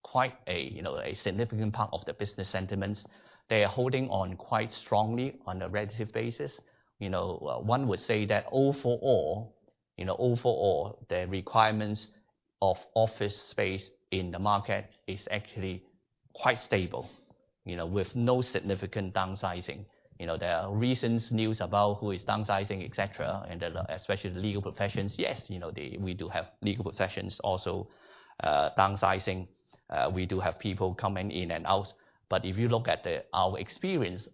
quite a significant part of the business sentiments. They are holding on quite strongly on a relative basis. One would say that overall, the requirements of office space in the market is actually quite stable, with no significant downsizing. There are recent news about who is downsizing, et cetera, and especially legal professions. Yes, we do have legal professions also downsizing. We do have people coming in and out. If you look at our experience,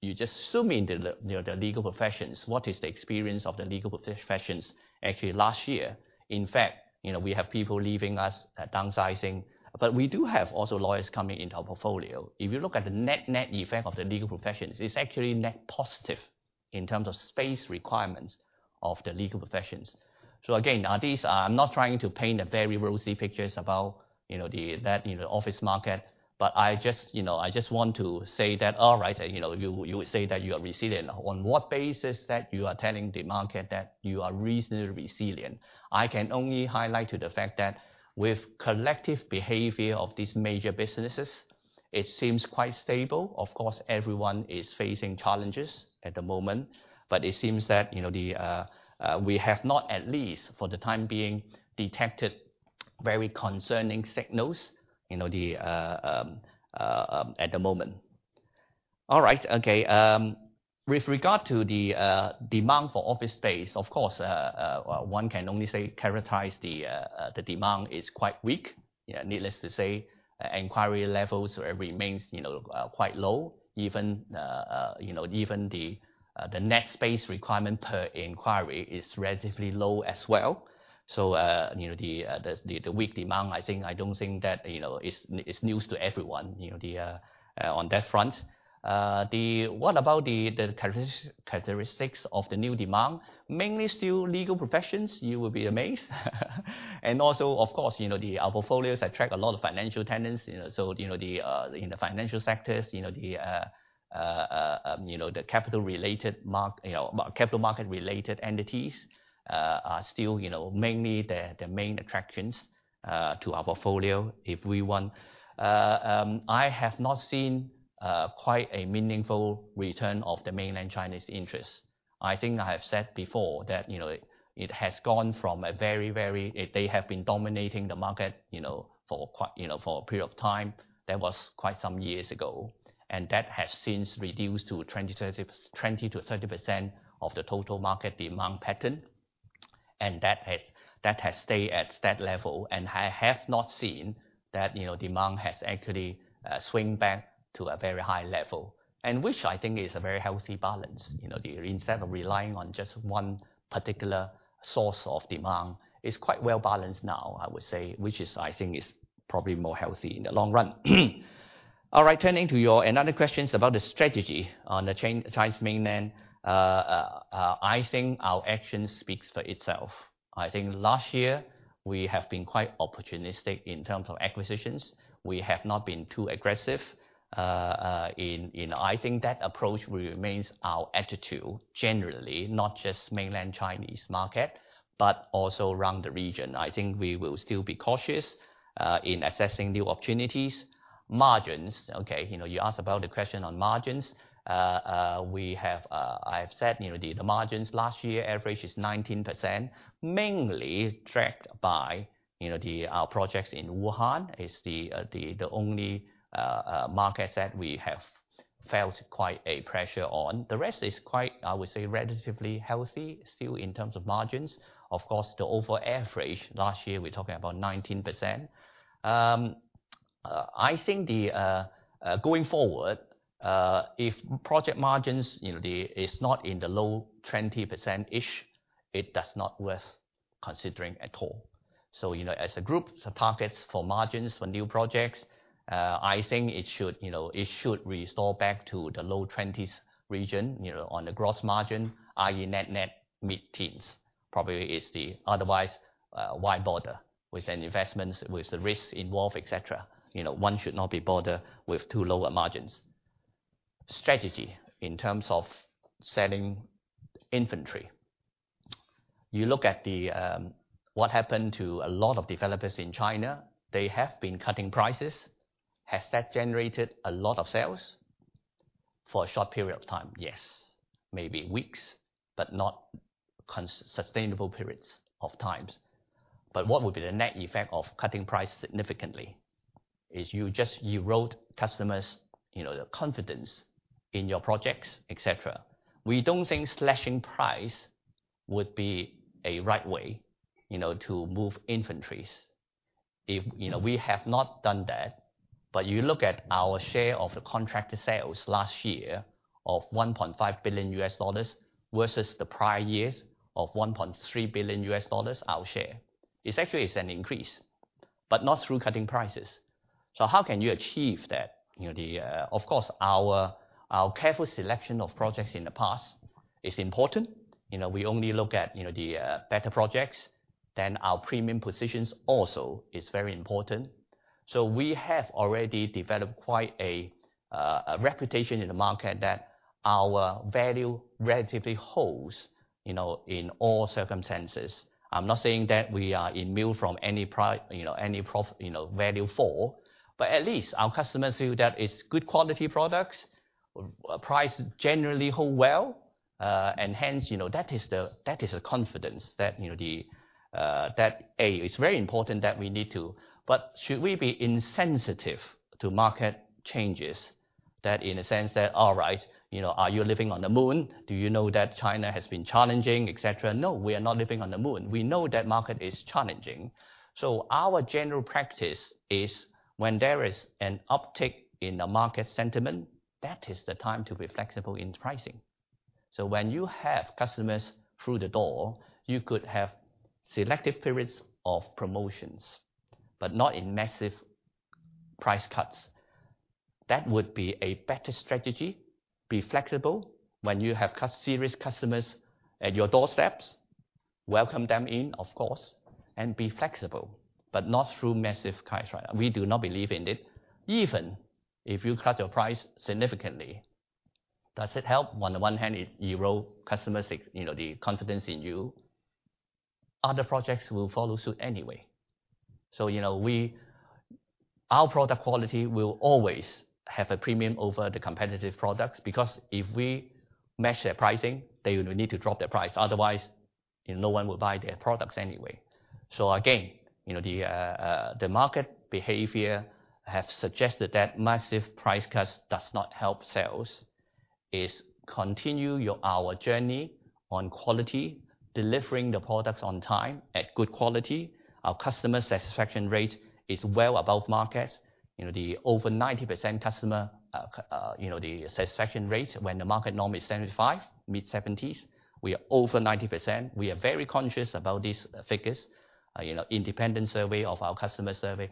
you just zoom into the legal professions. What is the experience of the legal professions actually last year? In fact, we have people leaving us, downsizing, but we do have also lawyers coming into our portfolio. If you look at the net effect of the legal professions, it's actually net positive in terms of space requirements of the legal professions. Again, I'm not trying to paint a very rosy picture about the office market, but I just want to say that, all right, you say that you are resilient. On what basis that you are telling the market that you are reasonably resilient? I can only highlight the fact that with collective behavior of these major businesses, it seems quite stable. Everyone is facing challenges at the moment, but it seems that we have not, at least for the time being, detected very concerning signals at the moment. All right. Okay. With regard to the demand for office space, of course, one can only characterize the demand is quite weak. Needless to say, inquiry levels remains quite low. Even the net space requirement per inquiry is relatively low as well. The weak demand, I don't think that is news to everyone on that front. What about the characteristics of the new demand? Mainly still legal professions. You will be amazed. Also, of course, our portfolios attract a lot of financial tenants, so in the financial sectors, the capital market-related entities are still mainly the main attractions to our portfolio, if we want. I have not seen quite a meaningful return of the mainland Chinese interest. I think I have said before that it has gone from a very. They have been dominating the market for a period of time. That was quite some years ago, that has since reduced to 20%-30% of the total market demand pattern, and that has stayed at that level. I have not seen that demand has actually swing back to a very high level, and which I think is a very healthy balance. Instead of relying on just one particular source of demand, it's quite well-balanced now, I would say, which I think is probably more healthy in the long run. All right. Turning to your another questions about the strategy on the Chinese mainland. I think our action speaks for itself. I think last year we have been quite opportunistic in terms of acquisitions. We have not been too aggressive. I think that approach remains our attitude generally, not just mainland Chinese market, but also around the region. I think we will still be cautious in assessing new opportunities. Margins. You asked about the question on margins. I have said, the margins last year average is 19%, mainly tracked by our projects in Wuhan, the only market that we have felt quite a pressure on. The rest is quite, I would say, relatively healthy still in terms of margins. Of course, the overall average last year, we're talking about 19%. I think going forward, if project margins is not in the low 20%, it does not worth considering at all. As a group, the targets for margins for new projects, I think it should restore back to the low 20s region on the gross margin, i.e., net mid-teens probably. Otherwise why bother with an investment with the risk involved, et cetera. One should not be bothered with too lower margins. Strategy in terms of selling inventory. You look at what happened to a lot of developers in China. They have been cutting prices. Has that generated a lot of sales? For a short period of time, yes. Maybe weeks, but not sustainable periods of times. What would be the net effect of cutting price significantly? Is you just erode customers' confidence in your projects, et cetera. We don't think slashing price would be a right way to move inventories. We have not done that. You look at our share of the contract sales last year of $1.5 billion versus the prior years of $1.3 billion, our share. It actually is an increase, but not through cutting prices. How can you achieve that? Of course, our careful selection of projects in the past is important. We only look at the better projects. Our premium positions also is very important. We have already developed quite a reputation in the market that our value relatively holds in all circumstances. I'm not saying that we are immune from any value fall, but at least our customers feel that it's good quality products. Price generally hold well, and hence, that is a confidence that, A, it's very important that we need to. Should we be insensitive to market changes? That in a sense that all right, are you living on the moon? Do you know that China has been challenging, et cetera? No, we are not living on the moon. We know that market is challenging. Our general practice is when there is an uptick in the market sentiment, that is the time to be flexible in pricing. When you have customers through the door, you could have selective periods of promotions, but not in massive price cuts. That would be a better strategy. Be flexible. When you have serious customers at your doorsteps, welcome them in, of course, and be flexible. Not through massive price rise. We do not believe in it. Even if you cut your price significantly, does it help? On the one hand, it erode customers, the confidence in you. Other projects will follow suit anyway. Our product quality will always have a premium over the competitive products, because if we match their pricing, they would need to drop their price. Otherwise, no one will buy their products anyway. Again, the market behavior have suggested that massive price cuts does not help sales, is continue our journey on quality, delivering the products on time at good quality. Our customer satisfaction rate is well above market. The over 90% customer, the satisfaction rate when the market norm is 75, mid-70s. We are over 90%. We are very conscious about these figures. Independent survey of our customer survey.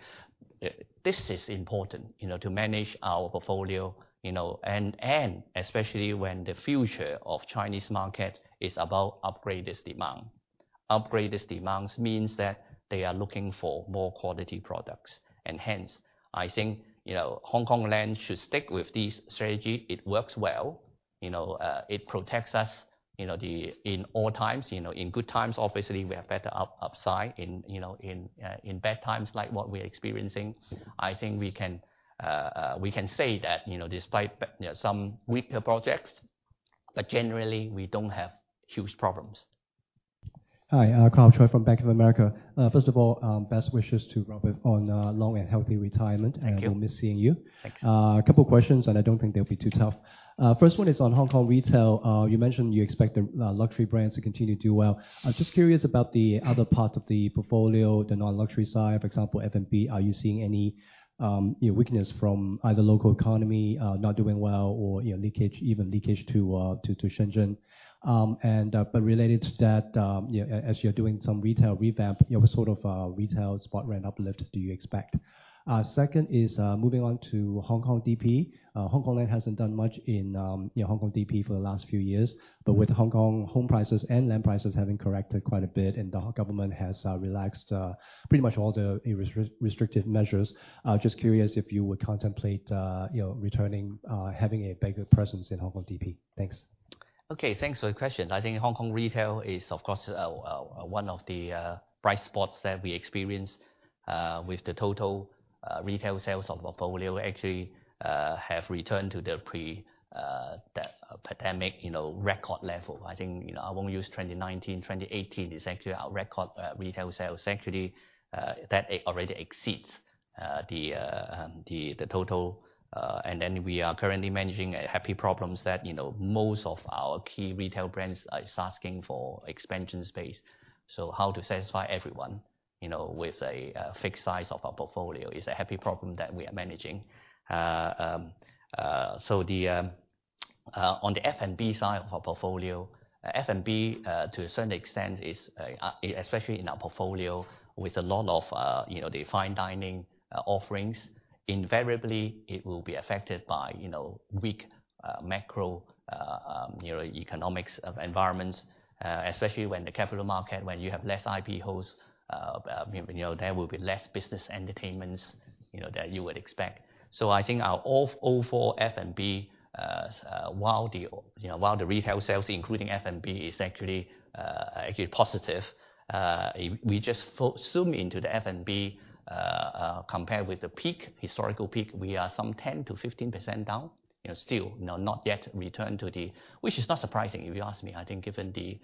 This is important, to manage our portfolio, and especially when the future of Chinese market is about upgraders demand. Upgraders demands means that they are looking for more quality products. Hence, I think, Hongkong Land should stick with this strategy. It works well. It protects us in all times. In good times, obviously, we have better upside. In bad times, like what we're experiencing, I think we can say that despite some weaker projects, but generally we don't have huge problems. Hi, Karl Choi from Bank of America. First of all, best wishes to Robert on a long and healthy retirement. Thank you. We'll miss seeing you. Thank you. A couple questions. I don't think they'll be too tough. First one is on Hong Kong retail. You mentioned you expect the luxury brands to continue to do well. Just curious about the other parts of the portfolio, the non-luxury side, for example, F&B. Are you seeing any weakness from either local economy not doing well or even leakage to Shenzhen? Related to that, as you're doing some retail revamp, what sort of retail spot rent uplift do you expect? Second is, moving on to Hong Kong DP. Hongkong Land hasn't done much in Hong Kong DP for the last few years. With Hong Kong home prices and land prices having corrected quite a bit, and the government has relaxed pretty much all the restrictive measures. Just curious if you would contemplate returning, having a bigger presence in Hong Kong DP. Thanks. Okay, thanks for the question. I think Hong Kong retail is, of course, one of the bright spots that we experience with the total retail sales of portfolio actually have returned to the pre-pandemic record level. I think I won't use 2019. 2018 is actually our record retail sales. Actually, that already exceeds the total. Then we are currently managing happy problems that most of our key retail brands is asking for expansion space. How to satisfy everyone, with a fixed size of our portfolio is a happy problem that we are managing. On the F&B side of our portfolio, F&B, to a certain extent, especially in our portfolio with a lot of the fine dining offerings, invariably, it will be affected by weak macroeconomics of environments. Especially when the capital market, when you have less IPOs, there will be less business entertainments that you would expect. I think our overall F&B, while the retail sales, including F&B, is actually positive. We just zoom into the F&B, compared with the historical peak, we are some 10%-15% down. Still not yet returned to the Which is not surprising if you ask me, I think, given the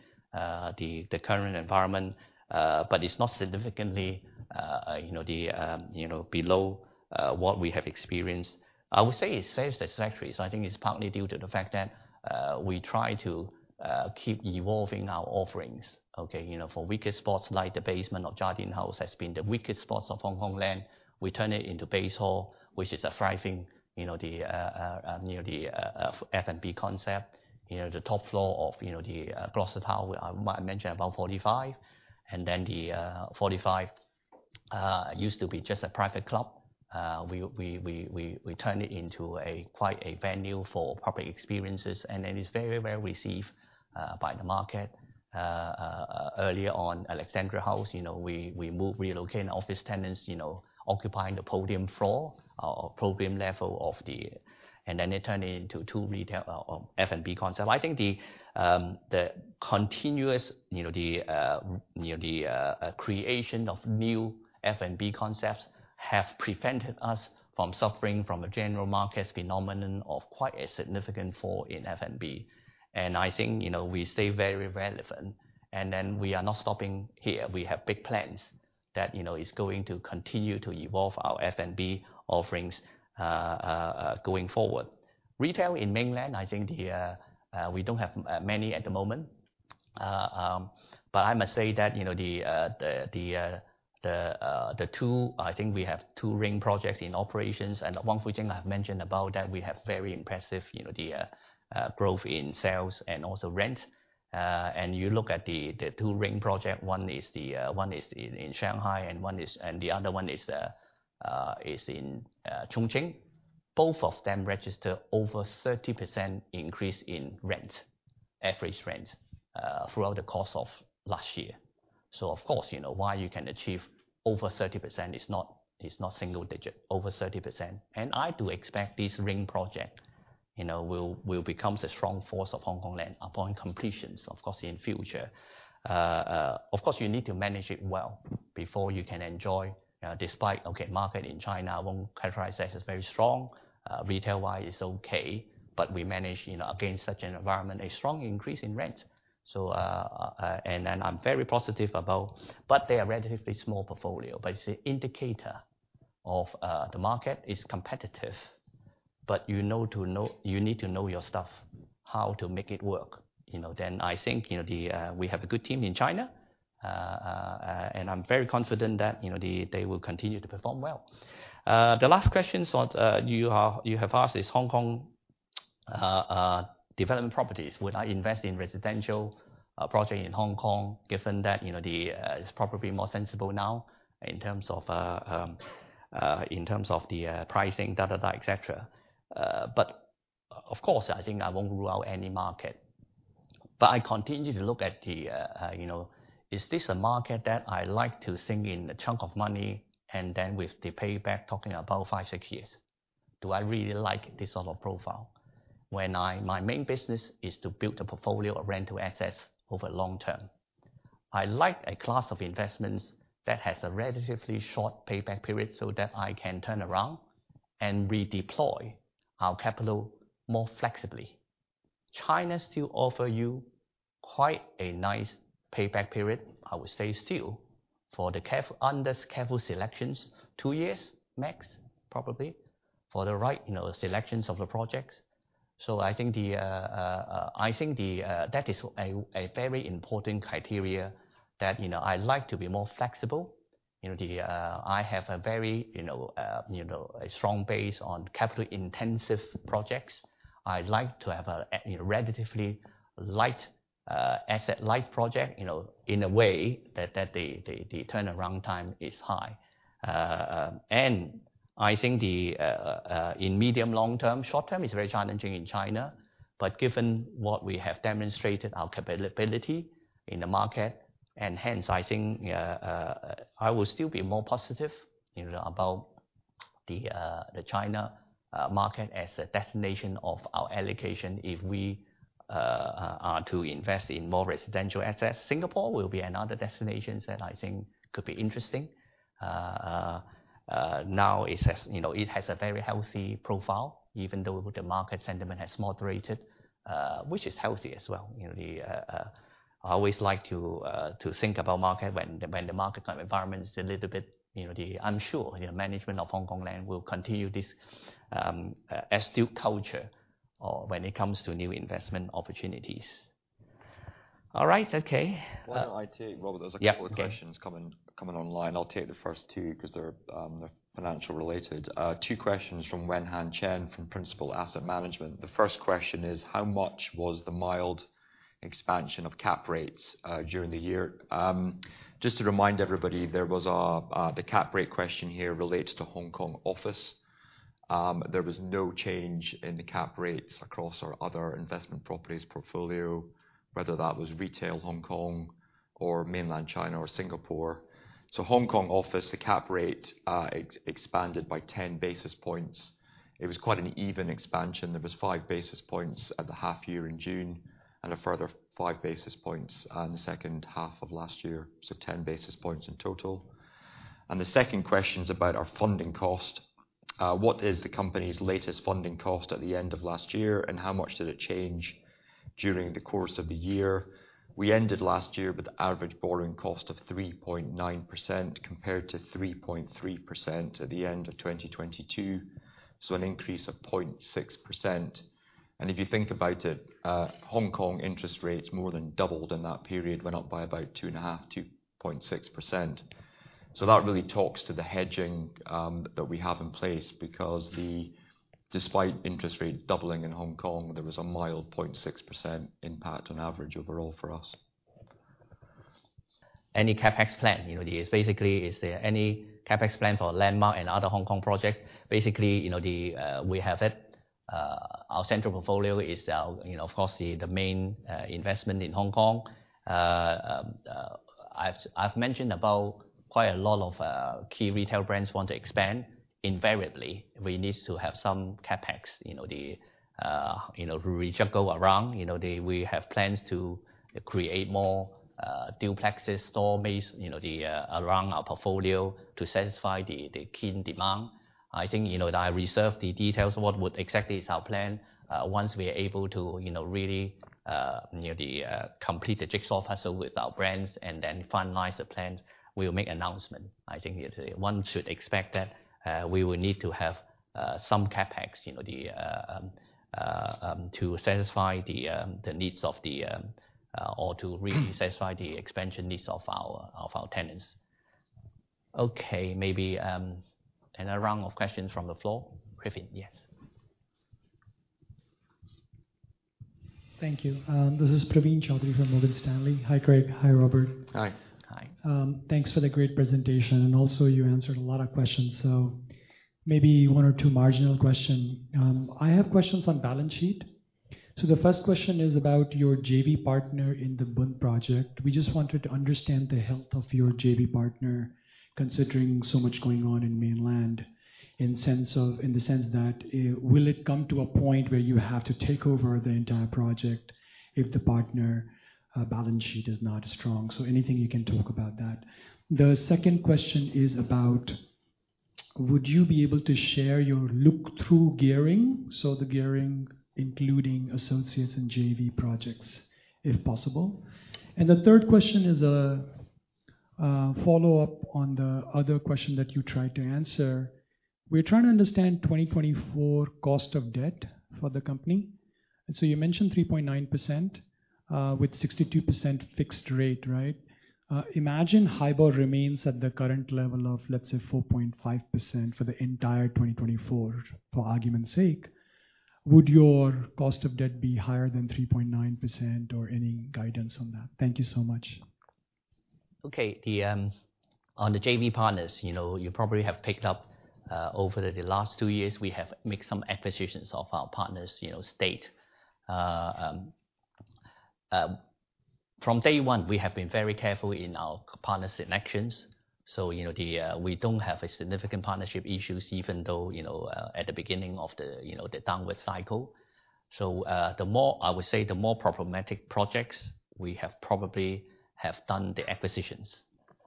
current environment. It's not significantly below what we have experienced. I would say it's sales actually. I think it's partly due to the fact that we try to keep evolving our offerings, okay. For weaker spots, like the basement of Jardine House has been the weakest spots of Hongkong Land. We turn it into BaseHall, which is a thriving F&B concept. The top floor of the Gloucester Tower, I mentioned about Forty-Five. Then the Forty-Five used to be just a private club. We turned it into quite a venue for public experiences. It is very well-received by the market. Earlier on, Alexandra House, we relocated office tenants occupying the podium floor or podium level of the. Then they turned it into two F&B concept. I think the continuous creation of new F&B concepts have prevented us from suffering from a general market phenomenon of quite a significant fall in F&B. I think we stay very relevant. Then we are not stopping here. We have big plans that is going to continue to evolve our F&B offerings going forward. Retail in mainland, I think we don't have many at the moment. I must say that the two, I think we have two The Ring projects in operations and one footing I've mentioned about that we have very impressive, the growth in sales and also rent. You look at the two The Ring project, one is in Shanghai and the other one is in Chongqing. Both of them registered over 30% increase in average rent throughout the course of last year. Of course, why you can achieve over 30%, it's not single digit, over 30%. I do expect this The Ring project will become the strong force of Hongkong Land upon completions, of course, in future. Of course, you need to manage it well before you can enjoy, despite, okay, market in China, I won't characterize that as very strong. Retail-wise, it's okay. We manage, against such an environment, a strong increase in rent. I'm very positive about. They are relatively small portfolio, but it's an indicator of the market is competitive. You need to know your stuff, how to make it work. I think we have a good team in China. I'm very confident that they will continue to perform well. The last question you have asked is Hong Kong development properties. Would I invest in residential project in Hong Kong, given that it's probably more sensible now in terms of the pricing, da, da, et cetera? Of course, I think I won't rule out any market. I continue to look at the, is this a market that I like to sink in a chunk of money and then with the payback talking about five, six years? Do I really like this sort of profile? My main business is to build a portfolio of rental assets over long term. I like a class of investments that has a relatively short payback period so that I can turn around and redeploy our capital more flexibly. China still offer you quite a nice payback period. I would say still, under careful selections, two years max, probably, for the right selections of the projects. I think that is a very important criteria that I like to be more flexible. I have a very strong base on capital-intensive projects. I like to have a relatively asset-light project, in a way that the turnaround time is high. I think in medium, long term, short term is very challenging in China. Given what we have demonstrated our capability in the market, I think I will still be more positive about the China market as a destination of our allocation if we are to invest in more residential assets. Singapore will be another destination that I think could be interesting. It has a very healthy profile, even though the market sentiment has moderated, which is healthy as well. I always like to think about market when the market environment is a little bit unsure. Management of Hongkong Land will continue this astute culture when it comes to new investment opportunities. All right. Okay. Why don't I take, Robert. Yeah. Okay There's a couple of questions coming online. I'll take the first two because they're financial related. Two questions from Wenhan Chen from Principal Asset Management. The first question is, how much was the mild expansion of capitalization rates during the year? Just to remind everybody, the cap rate question here relates to Hong Kong office. There was no change in the capitalization rates across our other investment properties portfolio, whether that was retail Hong Kong or mainland China or Singapore. So Hong Kong office, the cap rate expanded by 10 basis points. It was quite an even expansion. There was five basis points at the half year in June and a further five basis points on the second half of last year. So 10 basis points in total. The second question's about our funding cost. What is the company's latest funding cost at the end of last year, and how much did it change during the course of the year? We ended last year with average borrowing cost of 3.9% compared to 3.3% at the end of 2022. An increase of 0.6%. If you think about it, Hong Kong interest rates more than doubled in that period, went up by about two and a half, 2.6%. That really talks to the hedging that we have in place because despite interest rates doubling in Hong Kong, there was a mild 0.6% impact on average overall for us. Any CapEx plan. Basically, is there any CapEx plan for LANDMARK and other Hong Kong projects? Basically, we have it. Our Central portfolio is, of course, the main investment in Hong Kong. I've mentioned about quite a lot of key retail brands want to expand. Invariably, we need to have some CapEx. We juggle around. We have plans to create more duplexes, store base, around our portfolio to satisfy the keen demand. I think that I reserve the details of what would exactly is our plan. Once we are able to really complete the jigsaw puzzle with our brands and then finalize the plan, we will make announcement. I think one should expect that we will need to have some CapEx to satisfy the needs of the, or to really satisfy the expansion needs of our tenants. Okay. Maybe another round of questions from the floor. Griffin, yes Thank you. This is Praveen Choudhary from Morgan Stanley. Hi, Craig. Hi, Robert. Hi. Hi. Thanks for the great presentation, also you answered a lot of questions. Maybe one or two marginal questions. I have questions on balance sheet. The first question is about your JV partner in the Bund project. We just wanted to understand the health of your JV partner, considering so much going on in Mainland in the sense that will it come to a point where you have to take over the entire project if the partner balance sheet is not strong? Anything you can talk about that. The second question is about would you be able to share your look-through gearing, so the gearing including associates and JV projects, if possible. The third question is a follow-up on the other question that you tried to answer. We're trying to understand 2024 cost of debt for the company. You mentioned 3.9% with 62% fixed rate, right? Imagine HIBOR remains at the current level of, let's say, 4.5% for the entire 2024, for argument's sake. Would your cost of debt be higher than 3.9% or any guidance on that? Thank you so much. Okay. On the JV partners, you probably have picked up over the last two years, we have made some acquisitions of our partner's stake. From day one, we have been very careful in our partner selections. We don't have significant partnership issues even though at the beginning of the downward cycle. I would say the more problematic projects we have probably have done the acquisitions.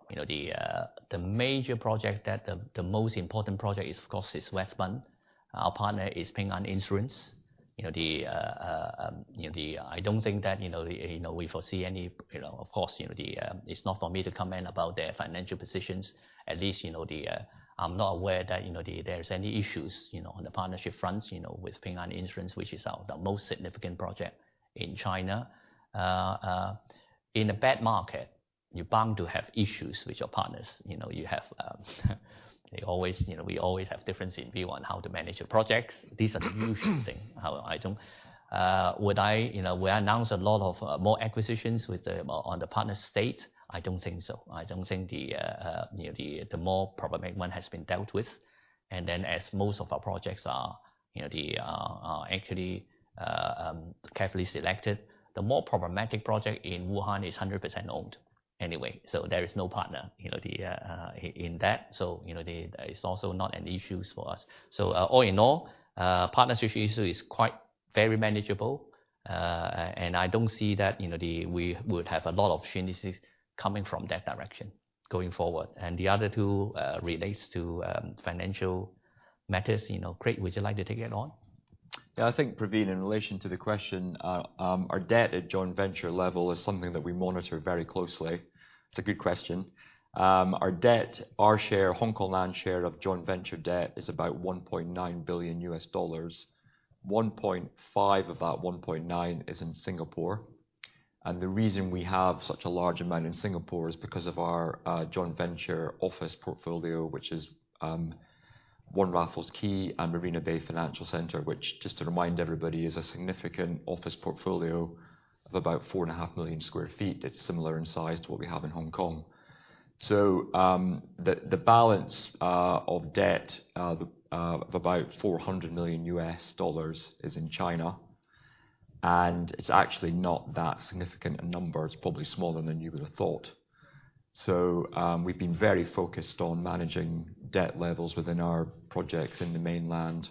The major project that the most important project is, of course, is West Bund. Our partner is Ping An Insurance. I don't think that we foresee any. Of course, it's not for me to comment about their financial positions. At least, I'm not aware that there's any issues on the partnership front with Ping An Insurance, which is the most significant project in China. In a bad market, you're bound to have issues with your partners. We always have difference in view on how to manage your projects. These are the usual things. Will I announce a lot of more acquisitions on the partner estate? I don't think so. I don't think the more problematic one has been dealt with. As most of our projects are actually carefully selected. The more problematic project in Wuhan is 100% owned anyway, so there is no partner in that. It's also not an issue for us. All in all, partnership issue is quite very manageable. I don't see that we would have a lot of challenges coming from that direction going forward. The other two relates to financial matters. Craig, would you like to take it on? Praveen, in relation to the question, our debt at joint venture level is something that we monitor very closely. It's a good question. Our debt, our share, Hongkong Land share of joint venture debt is about $1.9 billion. $1.5 of that $1.9 is in Singapore. The reason we have such a large amount in Singapore is because of our joint venture office portfolio, which is One Raffles Quay and Marina Bay Financial Centre, which just to remind everybody, is a significant office portfolio of about 4.5 million sq ft. It's similar in size to what we have in Hong Kong. The balance of debt of about $400 million is in China, it's actually not that significant a number. It's probably smaller than you would've thought. We've been very focused on managing debt levels within our projects in the mainland.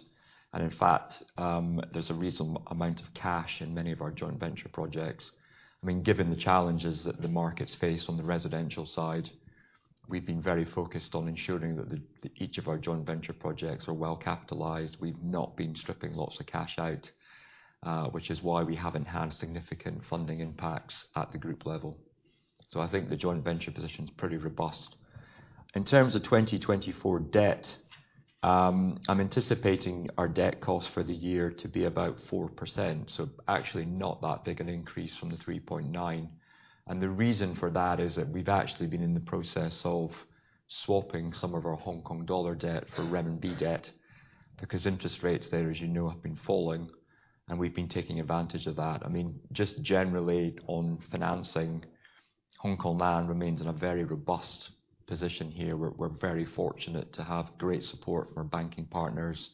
In fact, there's a reasonable amount of cash in many of our joint venture projects. Given the challenges that the market's faced on the residential side, we've been very focused on ensuring that each of our joint venture projects are well capitalized. We've not been stripping lots of cash out, which is why we have enhanced significant funding impacts at the group level. I think the joint venture position is pretty robust. In terms of 2024 debt, I'm anticipating our debt cost for the year to be about 4%, actually not that big an increase from the 3.9%. The reason for that is that we've actually been in the process of swapping some of our HKD debt for CNY debt because interest rates there, as you know, have been falling, and we've been taking advantage of that. Just generally on financing, Hongkong Land remains in a very robust position here. We're very fortunate to have great support from our banking partners,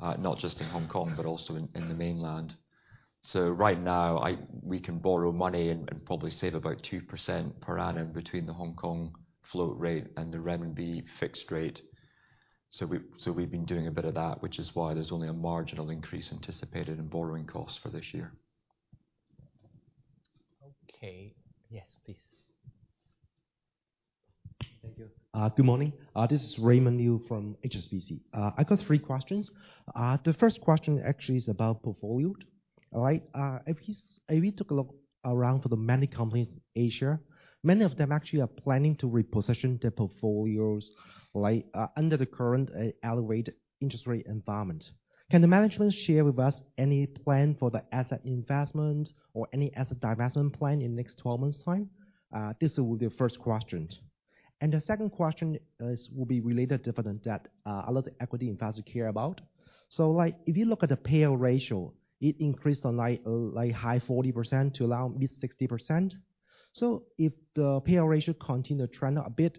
not just in Hong Kong, but also in the mainland. Right now, we can borrow money and probably save about 2% per annum between the Hong Kong float rate and the renminbi fixed rate. We've been doing a bit of that, which is why there's only a marginal increase anticipated in borrowing costs for this year. Okay. Yes, please. Thank you. Good morning. This is Raymond Liu from HSBC. I got three questions. The first question actually is about portfolio. All right? If we took a look around for the many companies in Asia, many of them actually are planning to reposition their portfolios under the current elevated interest rate environment. Can the management share with us any plan for the asset investment or any asset divestment plan in next 12 months' time? This is the first question. The second question will be related to dividend that a lot of equity investors care about. If you look at the payout ratio, it increased from high 40% to now mid 60%. If the payout ratio continue to trend a bit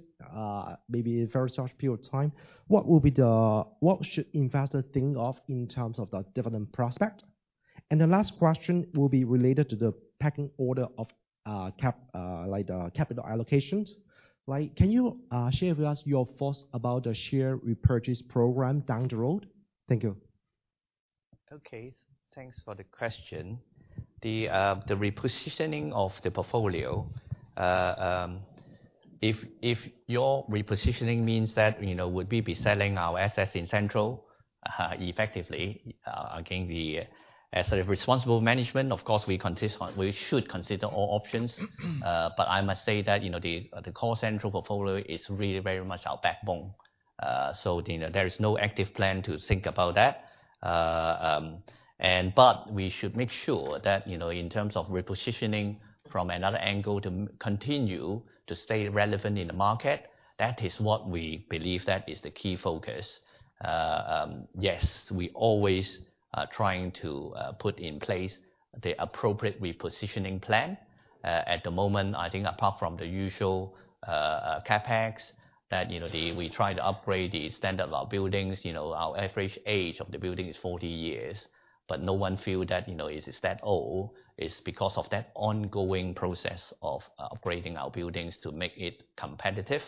maybe in very short period of time, what should investors think of in terms of the dividend prospect? The last question will be related to the pecking order of the capital allocations. Can you share with us your thoughts about the share repurchase program down the road? Thank you. Okay. Thanks for the question. The repositioning of the portfolio. If your repositioning means that would we be selling our assets in Central effectively. Again, as a responsible management, of course, we should consider all options. I must say that the core Central portfolio is really very much our backbone. There is no active plan to think about that. We should make sure that, in terms of repositioning from another angle to continue to stay relevant in the market, that is what we believe that is the key focus. Yes, we always are trying to put in place the appropriate repositioning plan. At the moment, I think apart from the usual CapEx that we try to upgrade the standard of our buildings. Our average age of the building is 40 years, but no one feel that it is that old. It's because of that ongoing process of upgrading our buildings to make it competitive.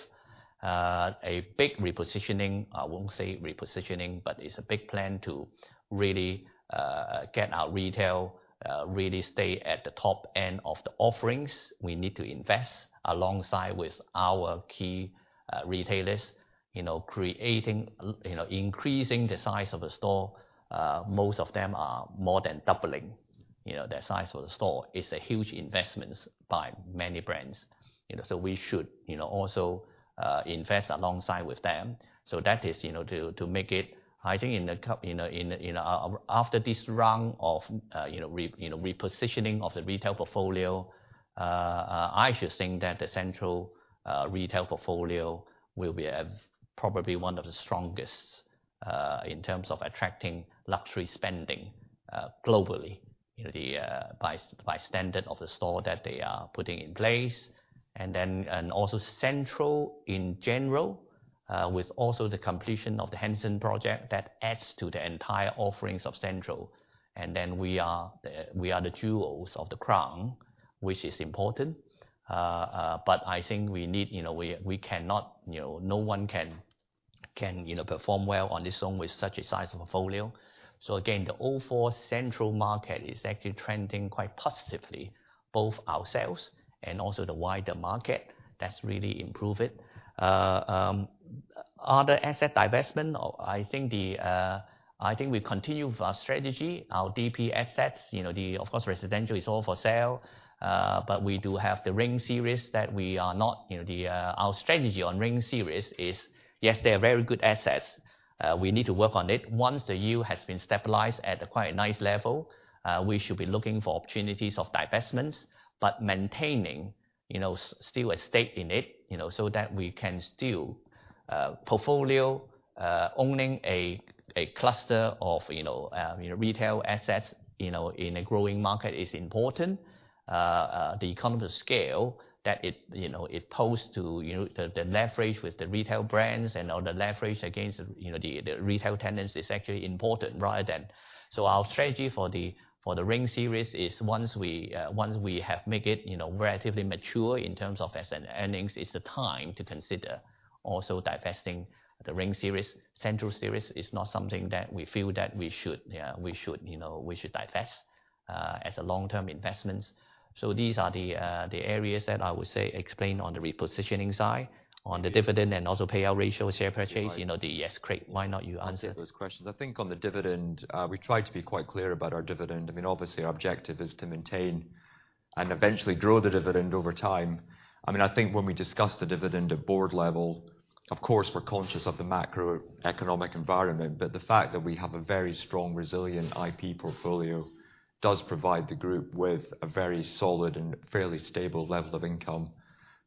A big repositioning, I won't say repositioning, but it's a big plan to really get our retail really stay at the top end of the offerings. We need to invest alongside with our key retailers. Increasing the size of the store. Most of them are more than doubling the size of the store. It's a huge investment by many brands. We should also invest alongside with them. That is to make it I think after this round of repositioning of the retail portfolio, I should think that the Central retail portfolio will be probably one of the strongest in terms of attracting luxury spending globally by standard of the store that they are putting in place. Central in general with also the completion of the Henderson project, that adds to the entire offerings of Central. We are the jewels of the crown, which is important. I think no one can perform well on this one with such a size of a portfolio. The overall Central market is actually trending quite positively, both ourselves and also the wider market that's really improved it. Other asset divestment, I think we continue with our strategy, our DP assets. Of course, residential is all for sale. We do have The Ring series that our strategy on The Ring series is, yes, they are very good assets. We need to work on it. Once the yield has been stabilized at a quite nice level we should be looking for opportunities of divestments, but maintaining still a stake in it so that we can still portfolio owning a cluster of retail assets in a growing market is important. The economies of scale that it pose to the leverage with the retail brands and all the leverage against the retail tenants is actually important. Our strategy for The Ring series is once we have make it relatively mature in terms of earnings, it's the time to consider also divesting The Ring series. Central series is not something that we feel that we should divest as a long-term investment. These are the areas that I would say explain on the repositioning side, on the dividend and also payout ratio, share purchase. Yes, Craig, why not you answer? I'll take those questions. I think on the dividend we try to be quite clear about our dividend. Obviously, our objective is to maintain and eventually grow the dividend over time. I think when we discuss the dividend at board level, of course, we're conscious of the macroeconomic environment. The fact that we have a very strong, resilient IP portfolio does provide the group with a very solid and fairly stable level of income.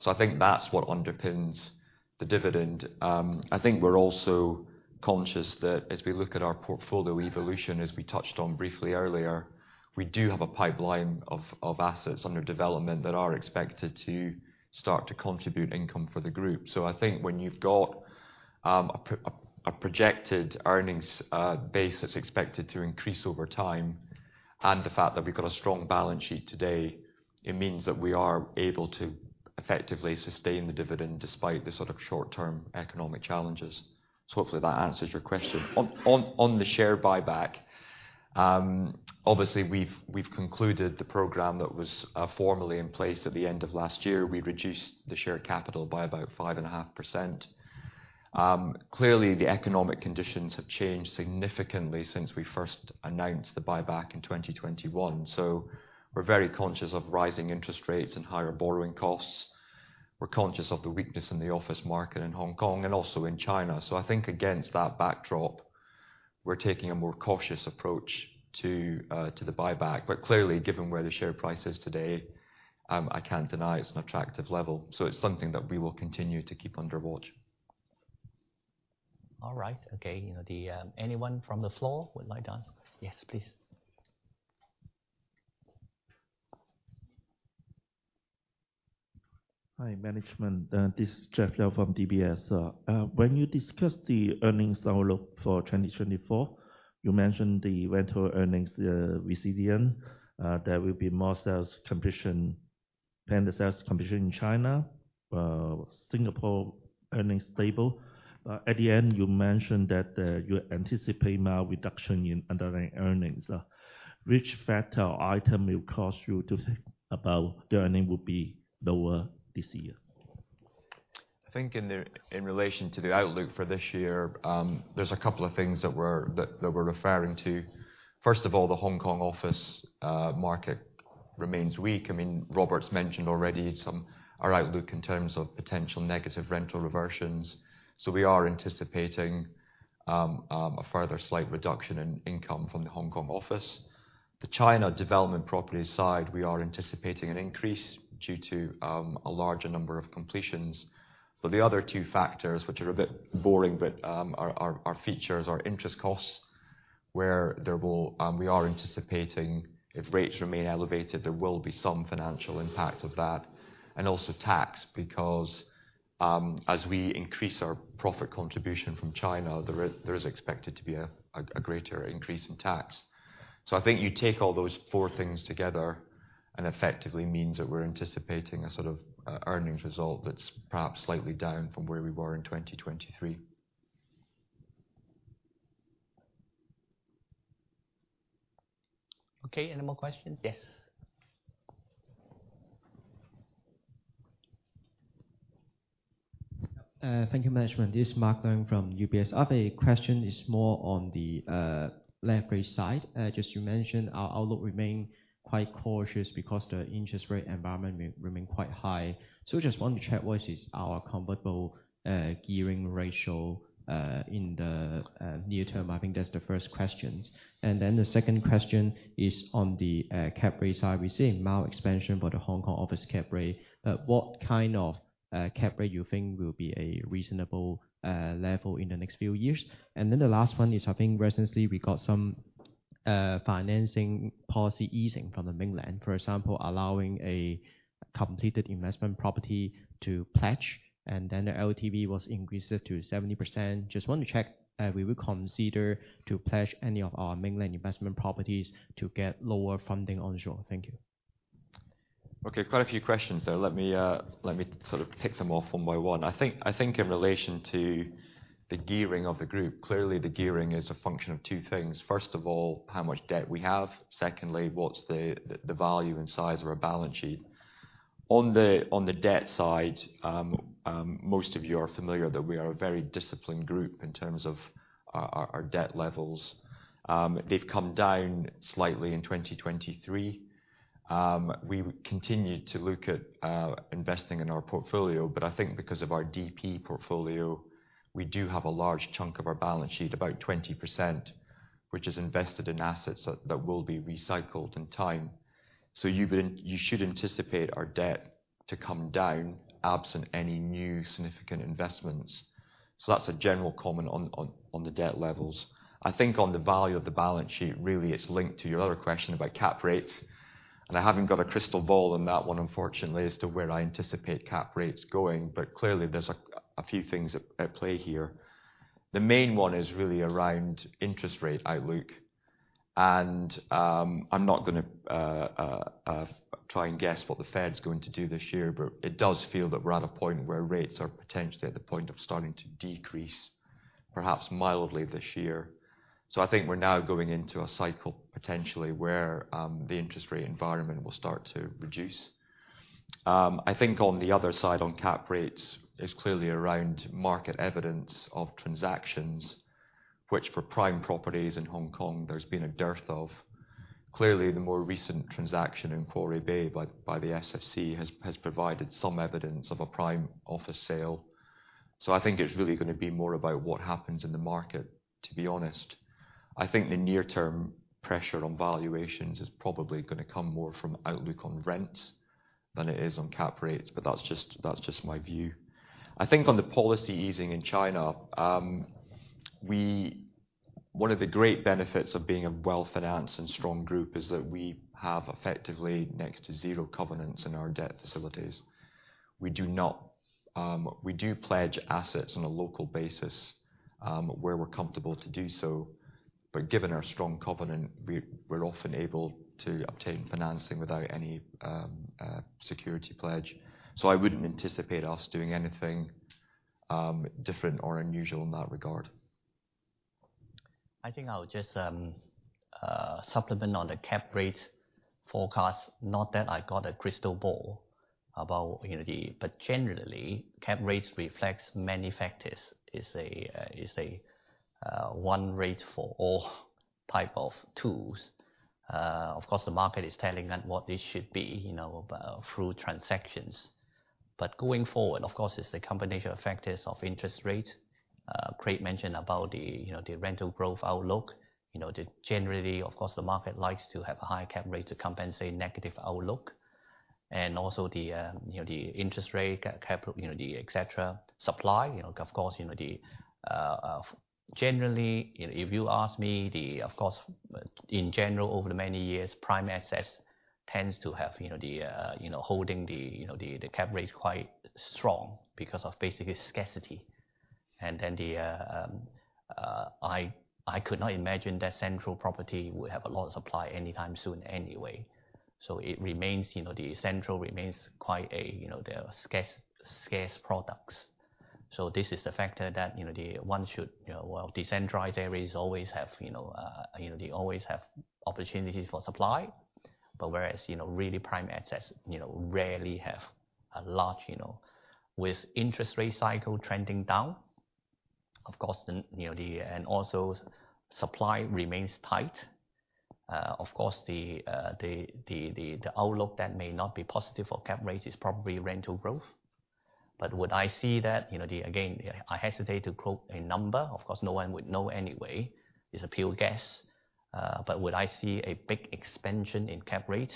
I think that's what underpins the dividend. I think we're also conscious that as we look at our portfolio evolution, as we touched on briefly earlier, we do have a pipeline of assets under development that are expected to start to contribute income for the group. I think when you have a projected earnings base that is expected to increase over time, and the fact that we have a strong balance sheet today, it means that we are able to effectively sustain the dividend despite the sort of short-term economic challenges. Hopefully that answers your question. On the share buyback, obviously we have concluded the program that was formally in place at the end of last year. We reduced the share capital by about 5.5%. Clearly, the economic conditions have changed significantly since we first announced the buyback in 2021. We are very conscious of rising interest rates and higher borrowing costs. We are conscious of the weakness in the office market in Hong Kong and also in China. I think against that backdrop We are taking a more cautious approach to the buyback. Clearly, given where the share price is today, I cannot deny it is an attractive level. It is something that we will continue to keep under watch. All right. Okay. Anyone from the floor would like to ask? Yes, please. Hi, management. This is Jeff Liao from DBS. When you discussed the earnings outlook for 2024, you mentioned the rental earnings recession, there will be more sales completion, planned sales completion in China. Singapore earnings stable. At the end, you mentioned that you anticipate now reduction in underlying earnings. Which factor or item will cause you to think about the earning will be lower this year? I think in relation to the outlook for this year, there's a couple of things that we're referring to. First of all, the Hong Kong office market remains weak. Robert's mentioned already some, our outlook in terms of potential negative rental reversions. We are anticipating a further slight reduction in income from the Hong Kong office. The China development property side, we are anticipating an increase due to a larger number of completions. The other two factors, which are a bit boring, but are features are interest costs, where we are anticipating if rates remain elevated, there will be some financial impact of that. Also tax, because as we increase our profit contribution from China, there is expected to be a greater increase in tax. I think you take all those four things together and effectively means that we're anticipating a sort of earnings result that's perhaps slightly down from where we were in 2023. Okay. Any more questions? Yes. Thank you, management. This is Mark Leung from UBS. I have a question, is more on the leverage side. Just you mentioned our outlook remain quite cautious because the interest rate environment remain quite high. Just want to check what is our comfortable gearing ratio, in the near term. I think that's the first questions. The second question is on the cap rate side. We're seeing mild expansion for the Hong Kong office cap rate. What kind of cap rate you think will be a reasonable level in the next few years? The last one is, I think recently we got some financing policy easing from the mainland. For example, allowing a completed investment property to pledge, and then the LTV was increased to 70%. Just want to check if we would consider to pledge any of our mainland investment properties to get lower funding onshore. Thank you. Okay, quite a few questions there. Let me sort of pick them off one by one. I think in relation to the gearing of the group, clearly the gearing is a function of two things. First of all, how much debt we have. Secondly, what's the value and size of our balance sheet. On the debt side, most of you are familiar that we are a very disciplined group in terms of our debt levels. They've come down slightly in 2023. We continue to look at investing in our portfolio, I think because of our DP portfolio, we do have a large chunk of our balance sheet, about 20%, which is invested in assets that will be recycled in time. You should anticipate our debt to come down absent any new significant investments. That's a general comment on the debt levels. I think on the value of the balance sheet, really, it's linked to your other question about cap rates, I haven't got a crystal ball on that one, unfortunately, as to where I anticipate cap rates going. Clearly there's a few things at play here. The main one is really around interest rate outlook I'm not going to try and guess what the Fed's going to do this year, it does feel that we're at a point where rates are potentially at the point of starting to decrease, perhaps mildly this year. I think we're now going into a cycle potentially where the interest rate environment will start to reduce. I think on the other side, on cap rates, is clearly around market evidence of transactions which for prime properties in Hong Kong, there's been a dearth of. Clearly, the more recent transaction in Quarry Bay by the SFC has provided some evidence of a prime office sale. I think it's really going to be more about what happens in the market, to be honest. I think the near term pressure on valuations is probably going to come more from outlook on rents than it is on cap rates, that's just my view. I think on the policy easing in China, one of the great benefits of being a well-financed and strong group is that we have effectively next to zero covenants in our debt facilities. We do pledge assets on a local basis, where we're comfortable to do so. Given our strong covenant, we're often able to obtain financing without any security pledge. I wouldn't anticipate us doing anything different or unusual in that regard. I think I would just supplement on the cap rate forecast, not that I got a crystal ball about, but generally capitalization rates reflects many factors, is a one rate for all type of tools. Of course, the market is telling them what this should be through transactions. Going forward, of course, it's the combination of factors of interest rates. Craig mentioned about the rental growth outlook. Generally, of course, the market likes to have a high cap rate to compensate negative outlook. Also the interest rate, capital, et cetera. Supply, of course. Generally, if you ask me, in general, over the many years, prime assets tends to holding the capitalization rates quite strong because of basically scarcity. Then I could not imagine that Central property will have a lot of supply anytime soon anyway. The Central remains quite a scarce products. This is the factor that one should. Well, decentralized areas, they always have opportunities for supply. Whereas really prime assets rarely have a large. With interest rate cycle trending down, also supply remains tight, of course, the outlook that may not be positive for capitalization rates is probably rental growth. Would I see that? Again, I hesitate to quote a number. Of course, no one would know anyway. It's a pure guess. Would I see a big expansion in cap rate?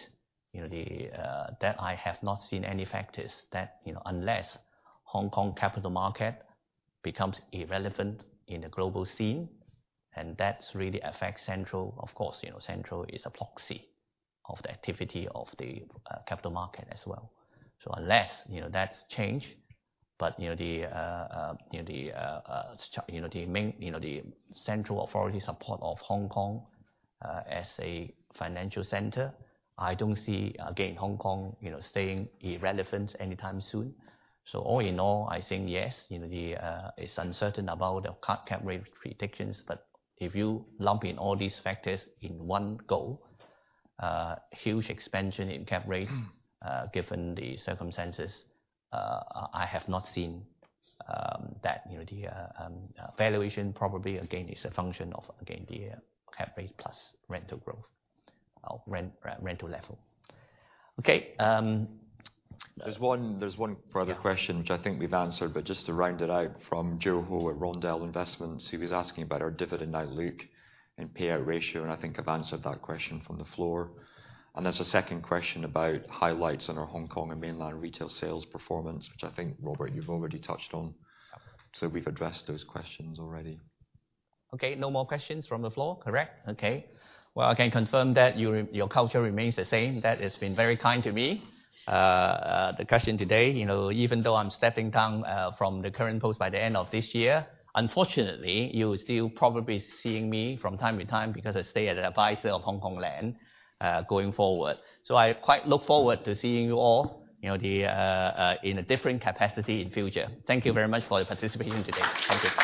That I have not seen any factors that, unless Hong Kong capital market becomes irrelevant in the global scene, and that really affects Central, of course. Central is a proxy of the activity of the capital market as well. Unless that's changed, but the central authority support of Hong Kong, as a financial center, I don't see, again, Hong Kong staying irrelevant anytime soon. All in all, I think yes, it's uncertain about the cap rate predictions, but if you lump in all these factors in one go, huge expansion in capitalization rates, given the circumstances, I have not seen that. The valuation probably, again, is a function of, again, the cap rate plus rental growth, rental level. Okay. There's one further question which I think we've answered, but just to round it out from Jo Ho at Rondell Investments, he was asking about our dividend outlook and payout ratio, and I think I've answered that question from the floor. There's a second question about highlights on our Hong Kong and mainland retail sales performance, which I think, Robert, you've already touched on. Yeah. We've addressed those questions already. No more questions from the floor, correct? Okay. I can confirm that your culture remains the same. That has been very kind to me. The question today, even though I'm stepping down from the current post by the end of this year, unfortunately, you'll still probably seeing me from time to time because I stay as an advisor of Hongkong Land, going forward. I quite look forward to seeing you all in a different capacity in future. Thank you very much for your participation today. Thank you.